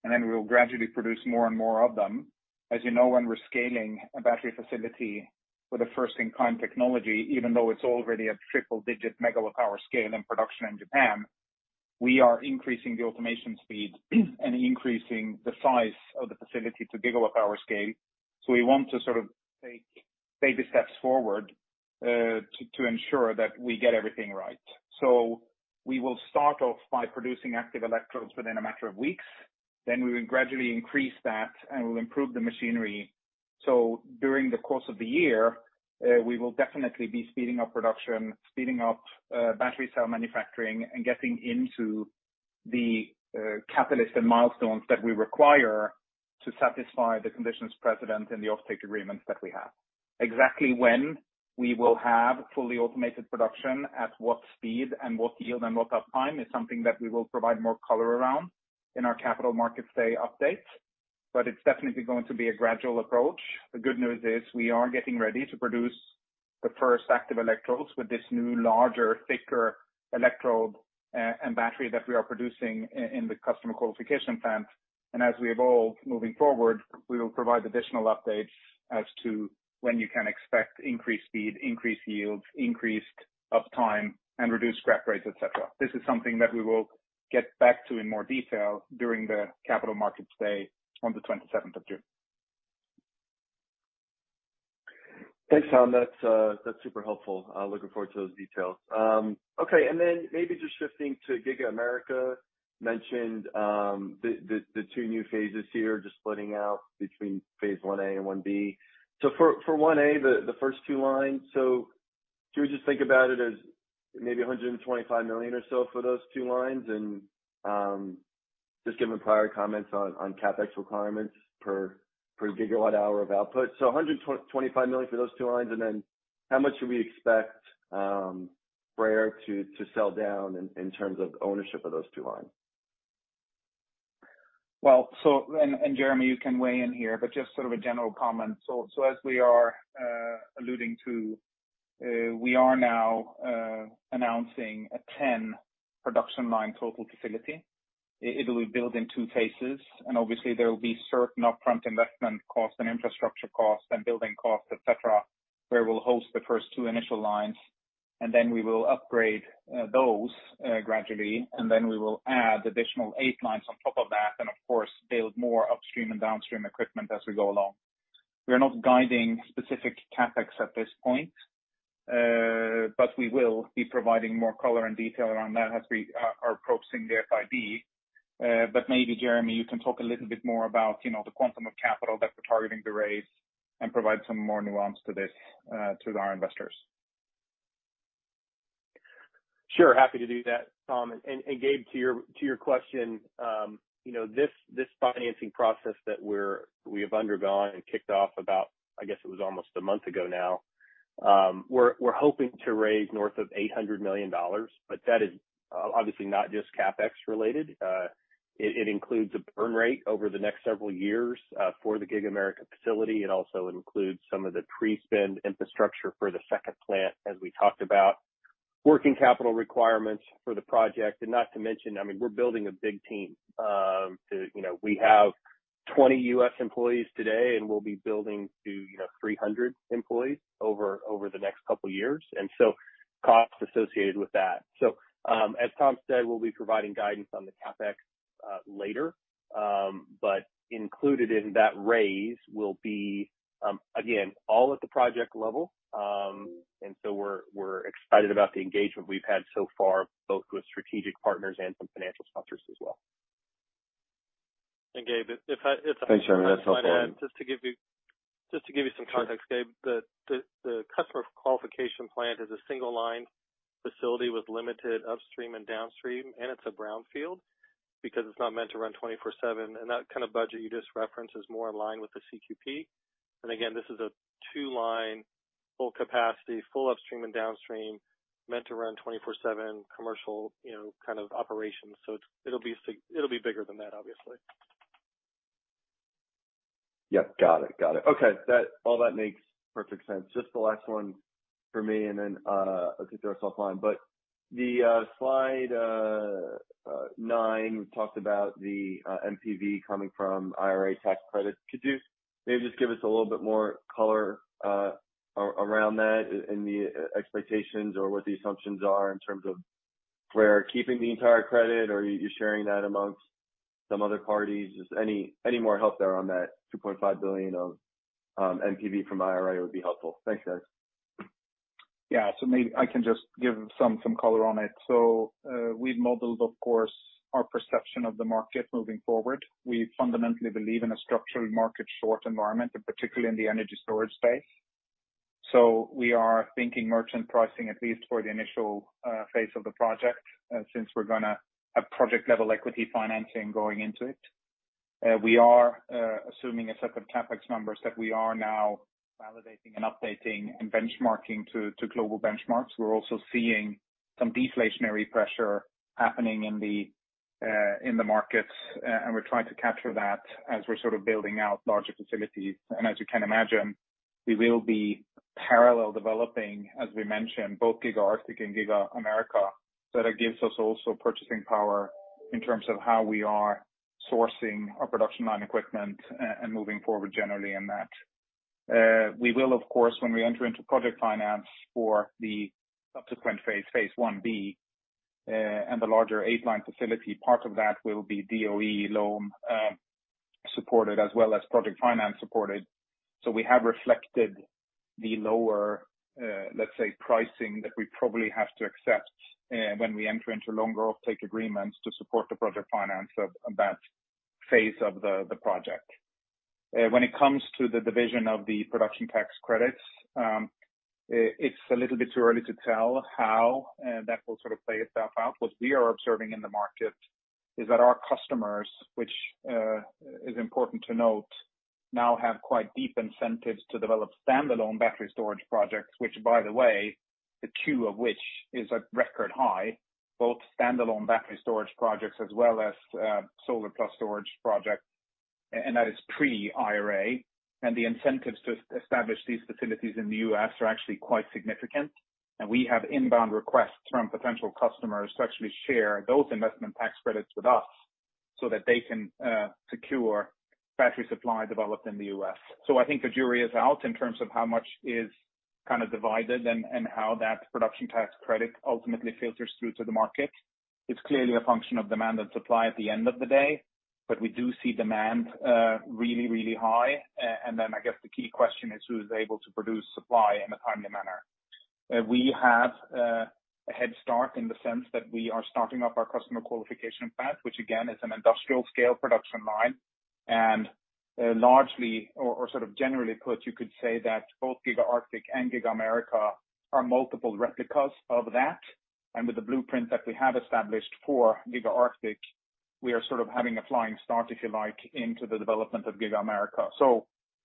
we will gradually produce more and more of them. As you know, when we're scaling a battery facility with a first in kind technology, even though it's already a triple digit megawatt power scale in production in Japan, we are increasing the automation speed and increasing the size of the facility to gigawatt power scale. We want to sort of take baby steps forward to ensure that we get everything right. We will start off by producing active electrodes within a matter of weeks, we will gradually increase that and we'll improve the machinery. During the course of the year, we will definitely be speeding up production, speeding up battery cell manufacturing, and getting into the catalyst and milestones that we require to satisfy the conditions precedent in the offtake agreements that we have. Exactly when we will have fully automated production at what speed and what yield and what uptime is something that we will provide more color around in our Capital Markets Day updates, but it's definitely going to be a gradual approach. The good news is we are getting ready to produce the first active electrodes with this new, larger, thicker electrode and battery that we are producing in the Customer Qualification Plant. As we evolve moving forward, we will provide additional updates as to when you can expect increased speed, increased yields, increased uptime, and reduced scrap rates, et cetera. This is something that we will get back to in more detail during the Capital Markets Day on the 27th of June. Thanks, Tom. That's super helpful. Looking forward to those details. Okay, maybe just shifting to Giga America, mentioned the two new phases here, just splitting out between phase IA and phase IB. For 1A, the first two lines, should we just think about it as maybe $125 million or so for those two lines? Just given prior comments on CapEx requirements per gigawatt hour of output. $125 million for those two lines. How much should we expect Freyr to sell down in terms of ownership of those two lines? Jeremy, you can weigh in here, but just sort of a general comment. As we are alluding to. We are now announcing a 10 production line total facility. It will be built in two phases, obviously there will be certain upfront investment costs and infrastructure costs and building costs, et cetera, where we'll host the first 2 initial lines. We will upgrade those gradually. We will add additional 8 lines on top of that, of course, build more upstream and downstream equipment as we go along. We are not guiding specific CapEx at this point. We will be providing more color and detail around that as we are approaching the FID. Maybe Jeremy, you can talk a little bit more about, you know, the quantum of capital that we're targeting to raise and provide some more nuance to this to our investors. Sure. Happy to do that, Tom. Gabe, to your question, you know, this financing process that we have undergone and kicked off about, I guess, it was almost a month ago now, we're hoping to raise north of $800 million, but that is obviously not just CapEx related. It includes a burn rate over the next several years for the Giga America facility. It also includes some of the pre-spend infrastructure for the second plant, as we talked about. Working capital requirements for the project, not to mention, I mean, we're building a big team. You know, we have 20 U.S. employees today, and we'll be building to, you know, 300 employees over the next couple years. Costs associated with that. as Tom said, we'll be providing guidance on the CapEx later. included in that raise will be again, all at the project level. we're excited about the engagement we've had so far, both with strategic partners and some financial sponsors as well. Gabe, if I... Thanks, Jeremy. That's helpful. Just to give you some context, Gabe. The Customer Qualification Plant is a single line facility with limited upstream and downstream, and it's a brownfield because it's not meant to run 24/7. That kind of budget you just referenced is more in line with the CQP. Again, this is a 2-line full capacity, full upstream and downstream, meant to run 24/7 commercial, you know, kind of operations. It'll be bigger than that, obviously. Yep. Got it. Got it. Okay. All that makes perfect sense. Just the last one for me, and then I could throw self line. The slide nine talked about the NPV coming from IRA tax credits. Could you maybe just give us a little bit more color around that in the expectations or what the assumptions are in terms of we're keeping the entire credit, or you're sharing that amongst some other parties? Just any more help there on that $2.5 billion of NPV from IRA would be helpful. Thanks, guys. Yeah. Maybe I can just give some color on it. We've modeled, of course, our perception of the market moving forward. We fundamentally believe in a structural market short environment, and particularly in the energy storage space. We are thinking merchant pricing, at least for the initial phase of the project, since we're gonna have project level equity financing going into it. We are assuming a set of CapEx numbers that we are now validating and updating and benchmarking to global benchmarks. We're also seeing some deflationary pressure happening in the markets, and we're trying to capture that as we're sort of building out larger facilities. As you can imagine, we will be parallel developing, as we mentioned, both Giga Arctic and Giga America. That gives us also purchasing power in terms of how we are sourcing our production line equipment and moving forward generally in that. We will of course, when we enter into project finance for the subsequent phase IB, and the larger eight line facility, part of that will be DOE loan supported as well as project finance supported. We have reflected the lower, let's say, pricing that we probably have to accept when we enter into longer offtake agreements to support the project finance of that phase of the project. When it comes to the division of the Production Tax Credits, it's a little bit too early to tell how that will sort of play itself out. What we are observing in the market is that our customers, which is important to note, now have quite deep incentives to develop standalone battery storage projects, which by the way, the queue of which is at record high, both standalone battery storage projects as well as solar plus storage projects, and that is pre IRA. The incentives to establish these facilities in the U.S. are actually quite significant. We have inbound requests from potential customers to actually share those investment tax credits with us so that they can secure battery supply developed in the U.S. I think the jury is out in terms of how much is kind of divided and how that Production Tax Credit ultimately filters through to the market. It's clearly a function of demand and supply at the end of the day, but we do see demand really, really high. Then I guess the key question is who's able to produce supply in a timely manner? We have a head start in the sense that we are starting up our Customer Qualification Plant, which again, is an industrial scale production line, and largely or sort of generally put, you could say that both Giga Arctic and Giga America are multiple replicas of that. With the blueprint that we have established for Giga Arctic, we are sort of having a flying start, if you like, into the development of Giga America.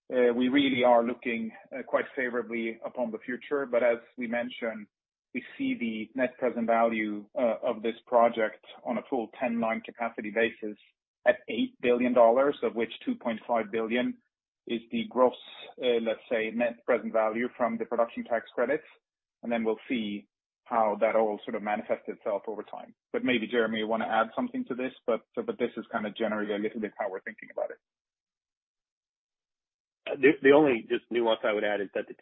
We really are looking quite favorably upon the future. As we mentioned-We see the net present value of this project on a full 10-line capacity basis at $8 billion, of which $2.5 billion is the gross, let's say net present value from the Production Tax Credits. Then we'll see how that all sort of manifests itself over time. Maybe Jeremy, you want to add something to this. So this is kind of generally a little bit how we're thinking about it. The only just nuance I would add is that the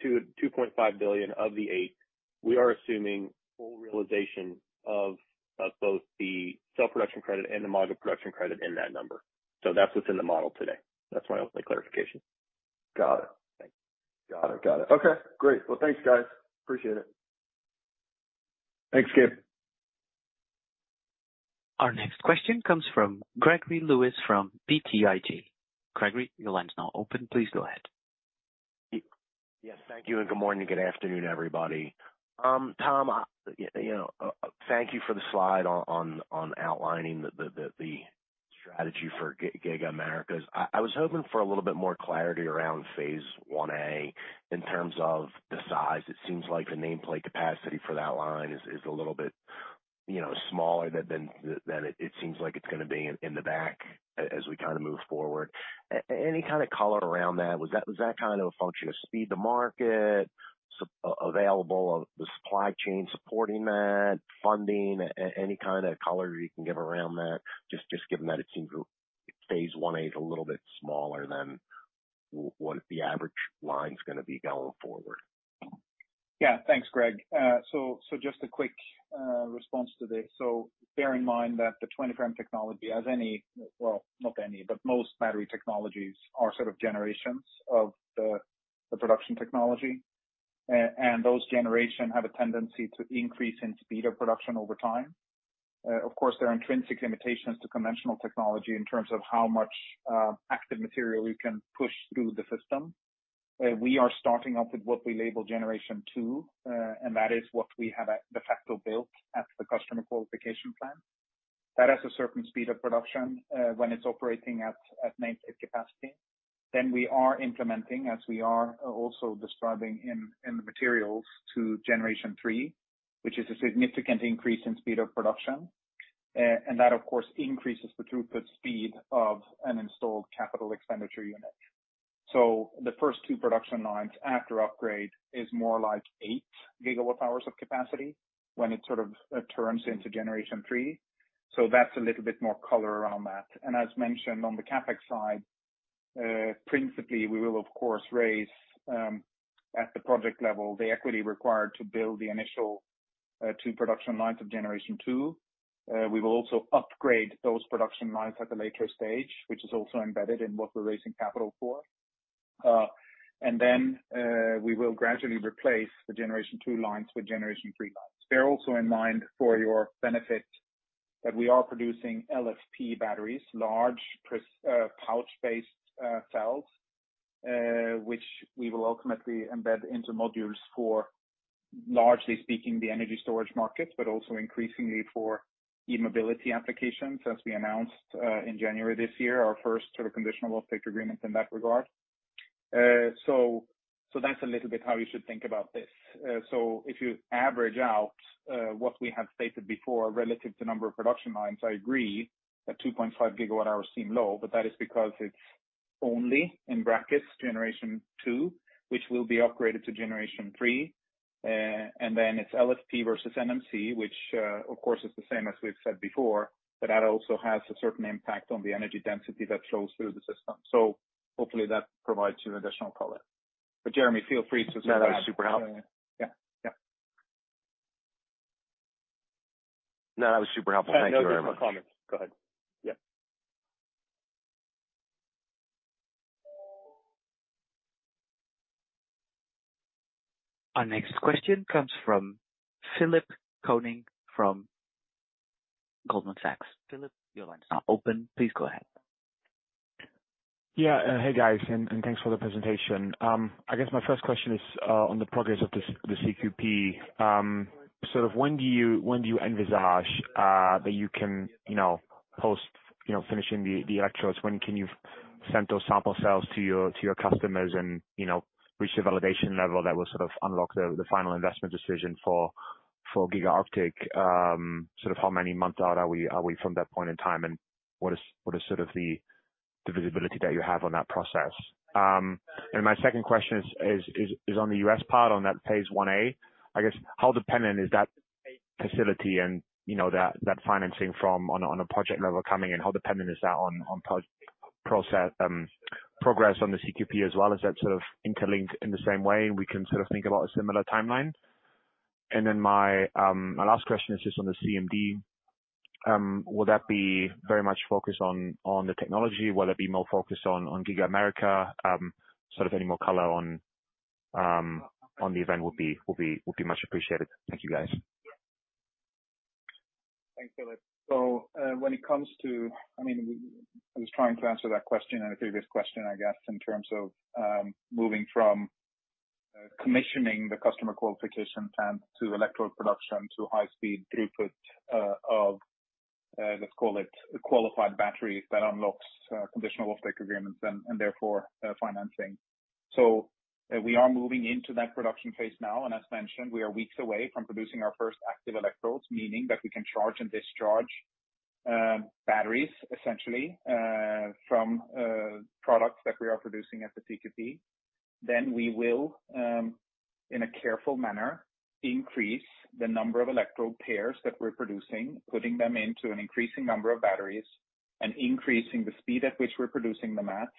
$2.5 billion of the $8 billion, we are assuming full realization of both the cell production credit and the module production credit in that number. That's what's in the model today. That's my only clarification. Got it. Thanks. Got it. Got it. Okay, great. Thanks, guys. Appreciate it. Thanks, Gabe. Our next question comes from Gregory Lewis from BTIG. Gregory, your line is now open. Please go ahead. Yes, thank you, and good morning. Good afternoon, everybody. Tom, you know, thank you for the slide on outlining the strategy for Giga America. I was hoping for a little bit more clarity around phase IA in terms of the size. It seems like the nameplate capacity for that line is a little bit, you know, smaller than it seems like it's gonna be in the back as we kinda move forward. Any kind of color around that? Was that kind of a function of speed to market, available, the supply chain supporting that, funding? Any kind of color you can give around that, just given that it seems phase IA is a little bit smaller than what the average line's gonna be going forward. Thanks, Greg. Just a quick response to this. Bear in mind that the 24M technology as any, well, not any, but most battery technologies are sort of generations of the production technology. Those Generation have a tendency to increase in speed of production over time. Of course, there are intrinsic limitations to conventional technology in terms of how much active material you can push through the system. We are starting off with what we label Generation Two, and that is what we have at de facto built at the Customer Qualification Plant. That has a certain speed of production when it's operating at nameplate capacity. We are implementing, as we are also describing in the materials, to Generation Three, which is a significant increase in speed of production. That of course increases the throughput speed of an installed capital expenditure unit. The first two production lines after upgrade is more like 8 GWh of capacity when it sort of turns into Generation Three. That's a little bit more color around that. As mentioned on the CapEx side, principally, we will of course raise at the project level, the equity required to build the initial 2 production lines of Generation Two. We will also upgrade those production lines at a later stage, which is also embedded in what we're raising capital for. Then we will gradually replace the Generation Two lines with Generation Three lines. Bear also in mind for your benefit that we are producing LFP batteries, large pouch-based cells, which we will ultimately embed into modules for, largely speaking, the energy storage markets, but also increasingly for e-mobility applications. As we announced in January this year, our first sort of conditional offtake agreement in that regard. That's a little bit how you should think about this. If you average out what we have stated before relative to number of production lines, I agree that 2.5 GWh seem low, but that is because it's only in brackets Generation Two, which will be upgraded to Generation Three. It's LFP versus NMC, which, of course, is the same as we've said before, but that also has a certain impact on the energy density that flows through the system. Hopefully that provides you additional color. Jeremy, feel free. No, that was super helpful. Yeah. Yeah. No, that was super helpful. Thank you very much. No different comments. Go ahead. Yeah. Our next question comes from Philipp Koenig from Goldman Sachs. Philipp, your line is now open. Please go ahead. Yeah. Hey, guys, and thanks for the presentation. I guess my first question is on the progress of the CQP. Sort of when do you envisage that you can, you know, post, you know, finishing the electrodes, when can you send those sample cells to your customers and, you know, reach the validation level that will sort of unlock the final investment decision for Giga Arctic? Sort of how many months out are we from that point in time, and what is sort of the visibility that you have on that process? My second question is on the U.S. part on that phase IA. I guess how dependent is that facility and, you know, that financing from on a, on a project level coming in, how dependent is that on pro-process progress on the CQP as well? Is that sort of interlinked in the same way and we can sort of think about a similar timeline? My last question is just on the CMD. Will that be very much focused on the technology? Will it be more focused on Giga America? Sort of any more color on the event would be much appreciated. Thank you, guys. Thanks, Philip. I mean, I was trying to answer that question in a previous question, I guess, in terms of moving from commissioning the Customer Qualification Plant to electrode production to high speed throughput, let's call it qualified batteries that unlocks conditional off take agreements and therefore financing. We are moving into that production phase now, and as mentioned, we are weeks away from producing our first active electrodes, meaning that we can charge and discharge batteries essentially from products that we are producing at the T2B. We will in a careful manner, increase the number of electrode pairs that we're producing, putting them into an increasing number of batteries and increasing the speed at which we're producing the mats.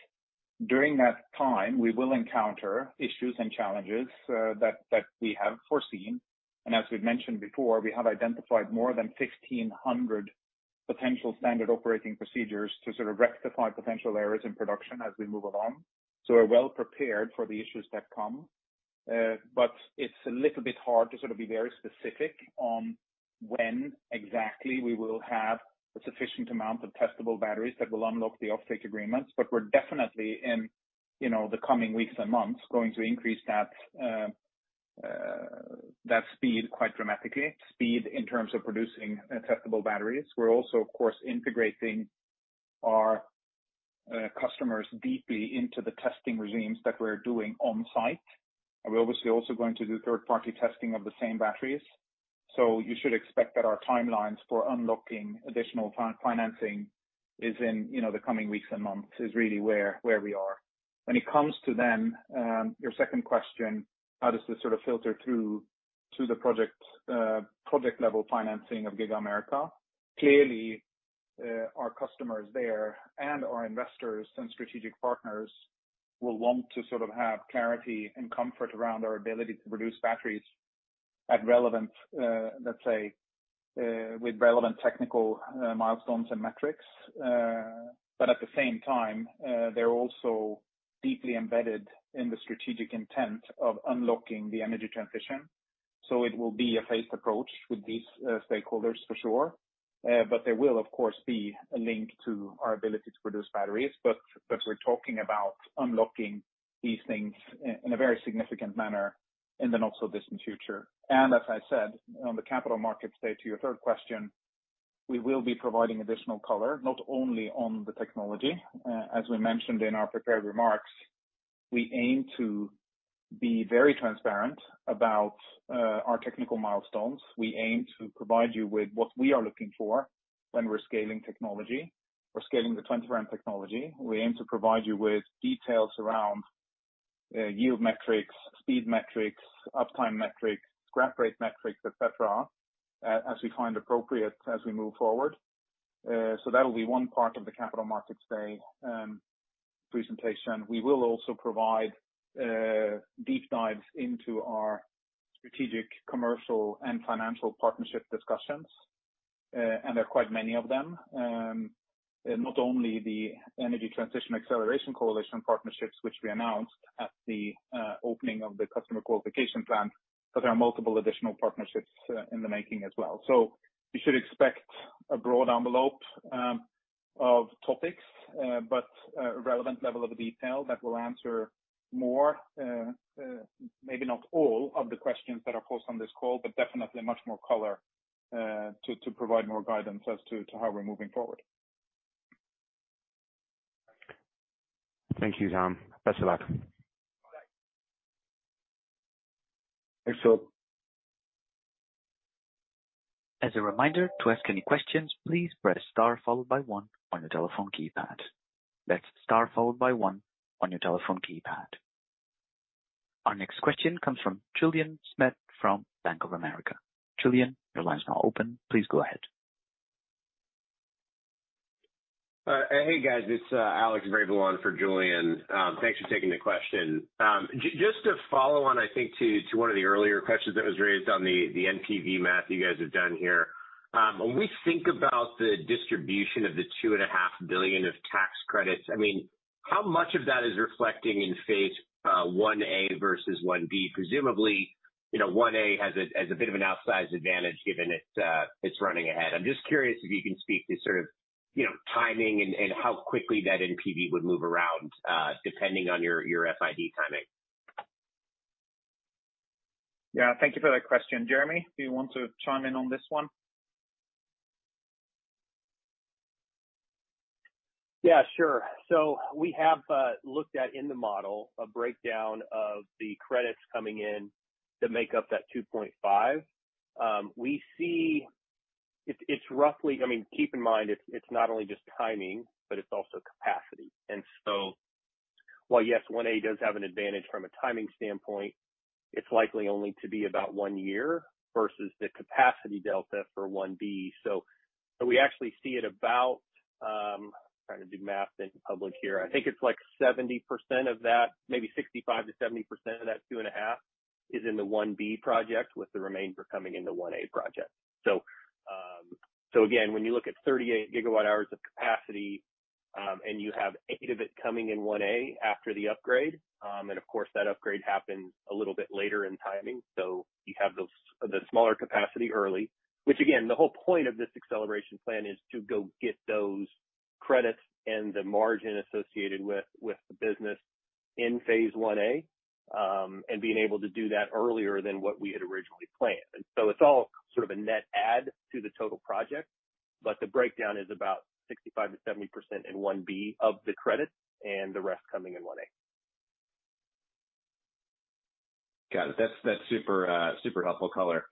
During that time, we will encounter issues and challenges, that we have foreseen. As we've mentioned before, we have identified more than 1,600 potential Standard Operating Procedures to sort of rectify potential errors in production as we move along. We're well prepared for the issues that come. But it's a little bit hard to sort of be very specific on when exactly we will have a sufficient amount of testable batteries that will unlock the off take agreements. We're definitely in, you know, the coming weeks and months going to increase that speed quite dramatically. Speed in terms of producing testable batteries. We're also, of course, integrating our customers deeply into the testing regimes that we're doing on site. We're obviously also going to do third-party testing of the same batteries. You should expect that our timelines for unlocking additional financing is in, you know, the coming weeks and months, is really where we are. When it comes to your second question, how does this sort of filter through to the project level financing of Giga America? Clearly, our customers there and our investors and strategic partners will want to sort of have clarity and comfort around our ability to produce batteries at relevant, let's say, with relevant technical milestones and metrics. At the same time, they're also deeply embedded in the strategic intent of unlocking the energy transition. It will be a phased approach with these stakeholders for sure. There will of course, be a link to our ability to produce batteries. We're talking about unlocking these things in a very significant manner in the not so distant future. As I said, on the Capital Markets Day, to your third question, we will be providing additional color, not only on the technology. As we mentioned in our prepared remarks, we aim to be very transparent about our technical milestones. We aim to provide you with what we are looking for when we're scaling technology. We're scaling the 24M technology. We aim to provide you with details around yield metrics, speed metrics, uptime metrics, scrap rate metrics, et cetera, as we find appropriate as we move forward. That will be one part of the Capital Markets Day presentation. We will also provide deep dives into our strategic, commercial and financial partnership discussions. There are quite many of them. Not only the Energy Transition Acceleration Coalition partnerships, which we announced at the opening of the Customer Qualification Plant, but there are multiple additional partnerships in the making as well. You should expect a broad envelope of topics, but a relevant level of detail that will answer more, maybe not all of the questions that are posed on this call, but definitely much more color, to provide more guidance as to how we're moving forward. Thank you, Tom. Best of luck. Thanks, Phil. As a reminder, to ask any questions, please press star followed by one on your telephone keypad. That's star followed by one on your telephone keypad. Our next question comes from Julien Dumoulin-Smith from Bank of America. Julien, your line is now open. Please go ahead. Hey, guys, it's Alex Vrabel on for Julien. Thanks for taking the question. Just to follow on, I think to one of the earlier questions that was raised on the NPV math you guys have done here. When we think about the distribution of the $2.5 billion of tax credits, I mean, how much of that is reflecting in phase IA versus phase IB? Presumably, you know, phase IA has a bit of an outsized advantage given it's running ahead. I'm just curious if you can speak to sort of, you know, timing and how quickly that NPV would move around depending on your FID timing. Thank you for that question. Jeremy, do you want to chime in on this one? Yeah, sure. We have looked at in the model a breakdown of the credits coming in that make up that $2.5. We see it's roughly... I mean, keep in mind, it's not only just timing, but it's also capacity. While, yes, phase IA does have an advantage from a timing standpoint, it's likely only to be about 1 year versus the capacity delta for phase IB. We actually see it about, trying to do math in public here. I think it's like 70% of that, maybe 65%-70% of that $2.5 is in the phase IB project, with the remainder coming in the phase IA project. Again, when you look at 38 GWh of capacity, and you have 8 of it coming in 1A after the upgrade, and of course, that upgrade happens a little bit later in timing. You have those, the smaller capacity early, which again, the whole point of this acceleration plan is to go get those Credits and the margin associated with the business in phase IA, and being able to do that earlier than what we had originally planned. It's all sort of a net add to the total project, but the breakdown is about 65%-70% in 1B of the Credits and the rest coming in 1A. Got it. That's super helpful color.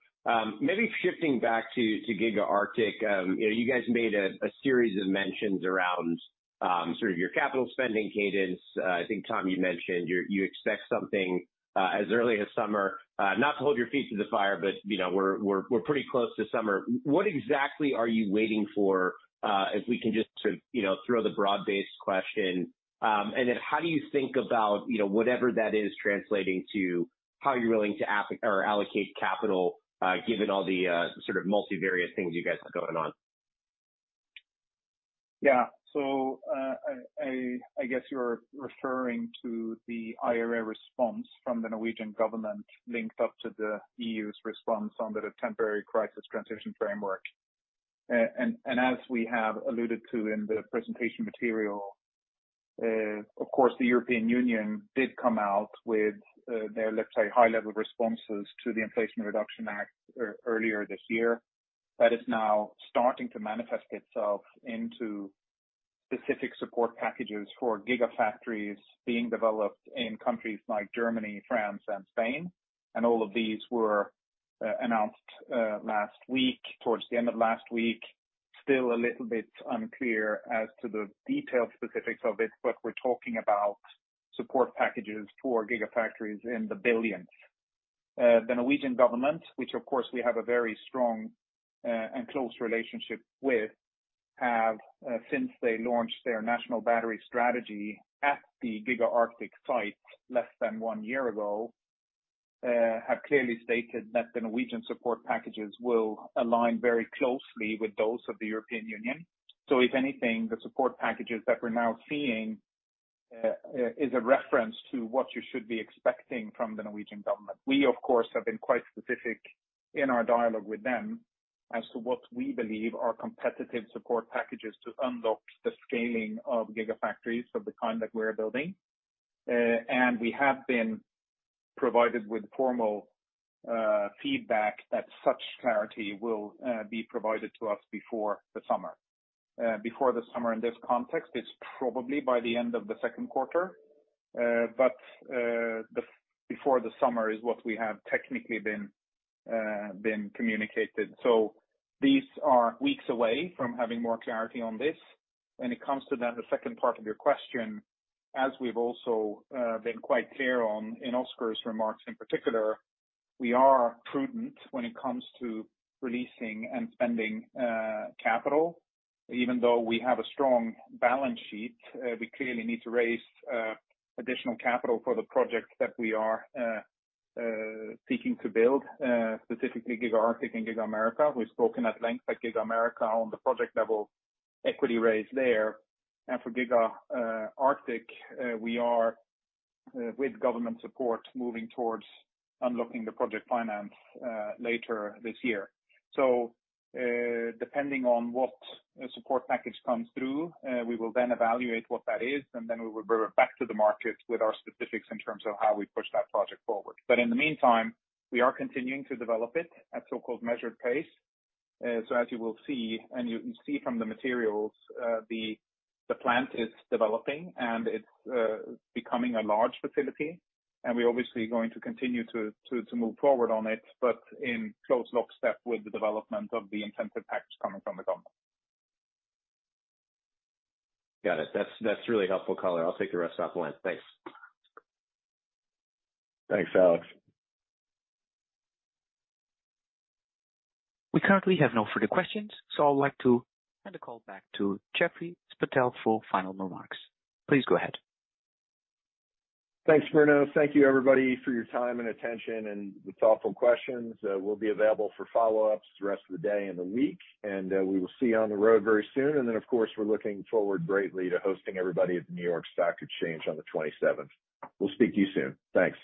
Maybe shifting back to Giga Arctic. You know, you guys made a series of mentions around sort of your capital spending cadence. I think, Tom, you mentioned you expect something as early as summer. Not to hold your feet to the fire, but, you know, we're pretty close to summer. What exactly are you waiting for, if we can just sort of, you know, throw the broad-based question? How do you think about, you know, whatever that is translating to how you're willing to allocate capital, given all the sort of multivariate things you guys have going on? I guess you're referring to the IRA response from the Norwegian government linked up to the EU's response under the Temporary Crisis and Transition Framework. As we have alluded to in the presentation material, of course, the European Union did come out with their, let's say, high level responses to the Inflation Reduction Act earlier this year. That is now starting to manifest itself into specific support packages for gigafactories being developed in countries like Germany, France, and Spain. All of these were announced last week, towards the end of last week. Still a little bit unclear as to the detailed specifics of it, but we're talking about support packages for gigafactories in the $ billions. The Norwegian government, which of course we have a very strong and close relationship with, have since they launched their national battery strategy at the Giga Arctic site less than one year ago, have clearly stated that the Norwegian support packages will align very closely with those of the European Union. If anything, the support packages that we're now seeing is a reference to what you should be expecting from the Norwegian government. We of course, have been quite specific in our dialogue with them as to what we believe are competitive support packages to unlock the scaling of gigafactories of the kind that we're building. We have been provided with formal feedback that such clarity will be provided to us before the summer. Before the summer in this context is probably by the end of the second quarter. The, before the summer is what we have technically been communicated. These are weeks away from having more clarity on this. When it comes to the second part of your question, as we've also been quite clear on in Oskar's remarks in particular, we are prudent when it comes to releasing and spending capital. Even though we have a strong balance sheet, we clearly need to raise additional capital for the project that we are seeking to build, specifically Giga Arctic and Giga America. We've spoken at length at Giga America on the project level equity raise there. For Giga Arctic, we are with government support moving towards unlocking the project finance later this year. Depending on what support package comes through, we will then evaluate what that is, and then we will be back to the market with our specifics in terms of how we push that project forward. In the meantime, we are continuing to develop it at so-called measured pace. As you will see, and you see from the materials, the plant is developing and it's becoming a large facility and we're obviously going to continue to move forward on it, but in close lockstep with the development of the incentive package coming from the government. Got it. That's really helpful color. I'll take the rest offline. Thanks. Thanks, Alex. We currently have no further questions, so I would like to hand the call back to Jeff Spittel for final remarks. Please go ahead. Thanks, Bruno. Thank you everybody for your time and attention and the thoughtful questions. We'll be available for follow-ups the rest of the day and the week, and, we will see you on the road very soon. Of course, we're looking forward greatly to hosting everybody at the New York Stock Exchange on the 27th. We'll speak to you soon. Thanks.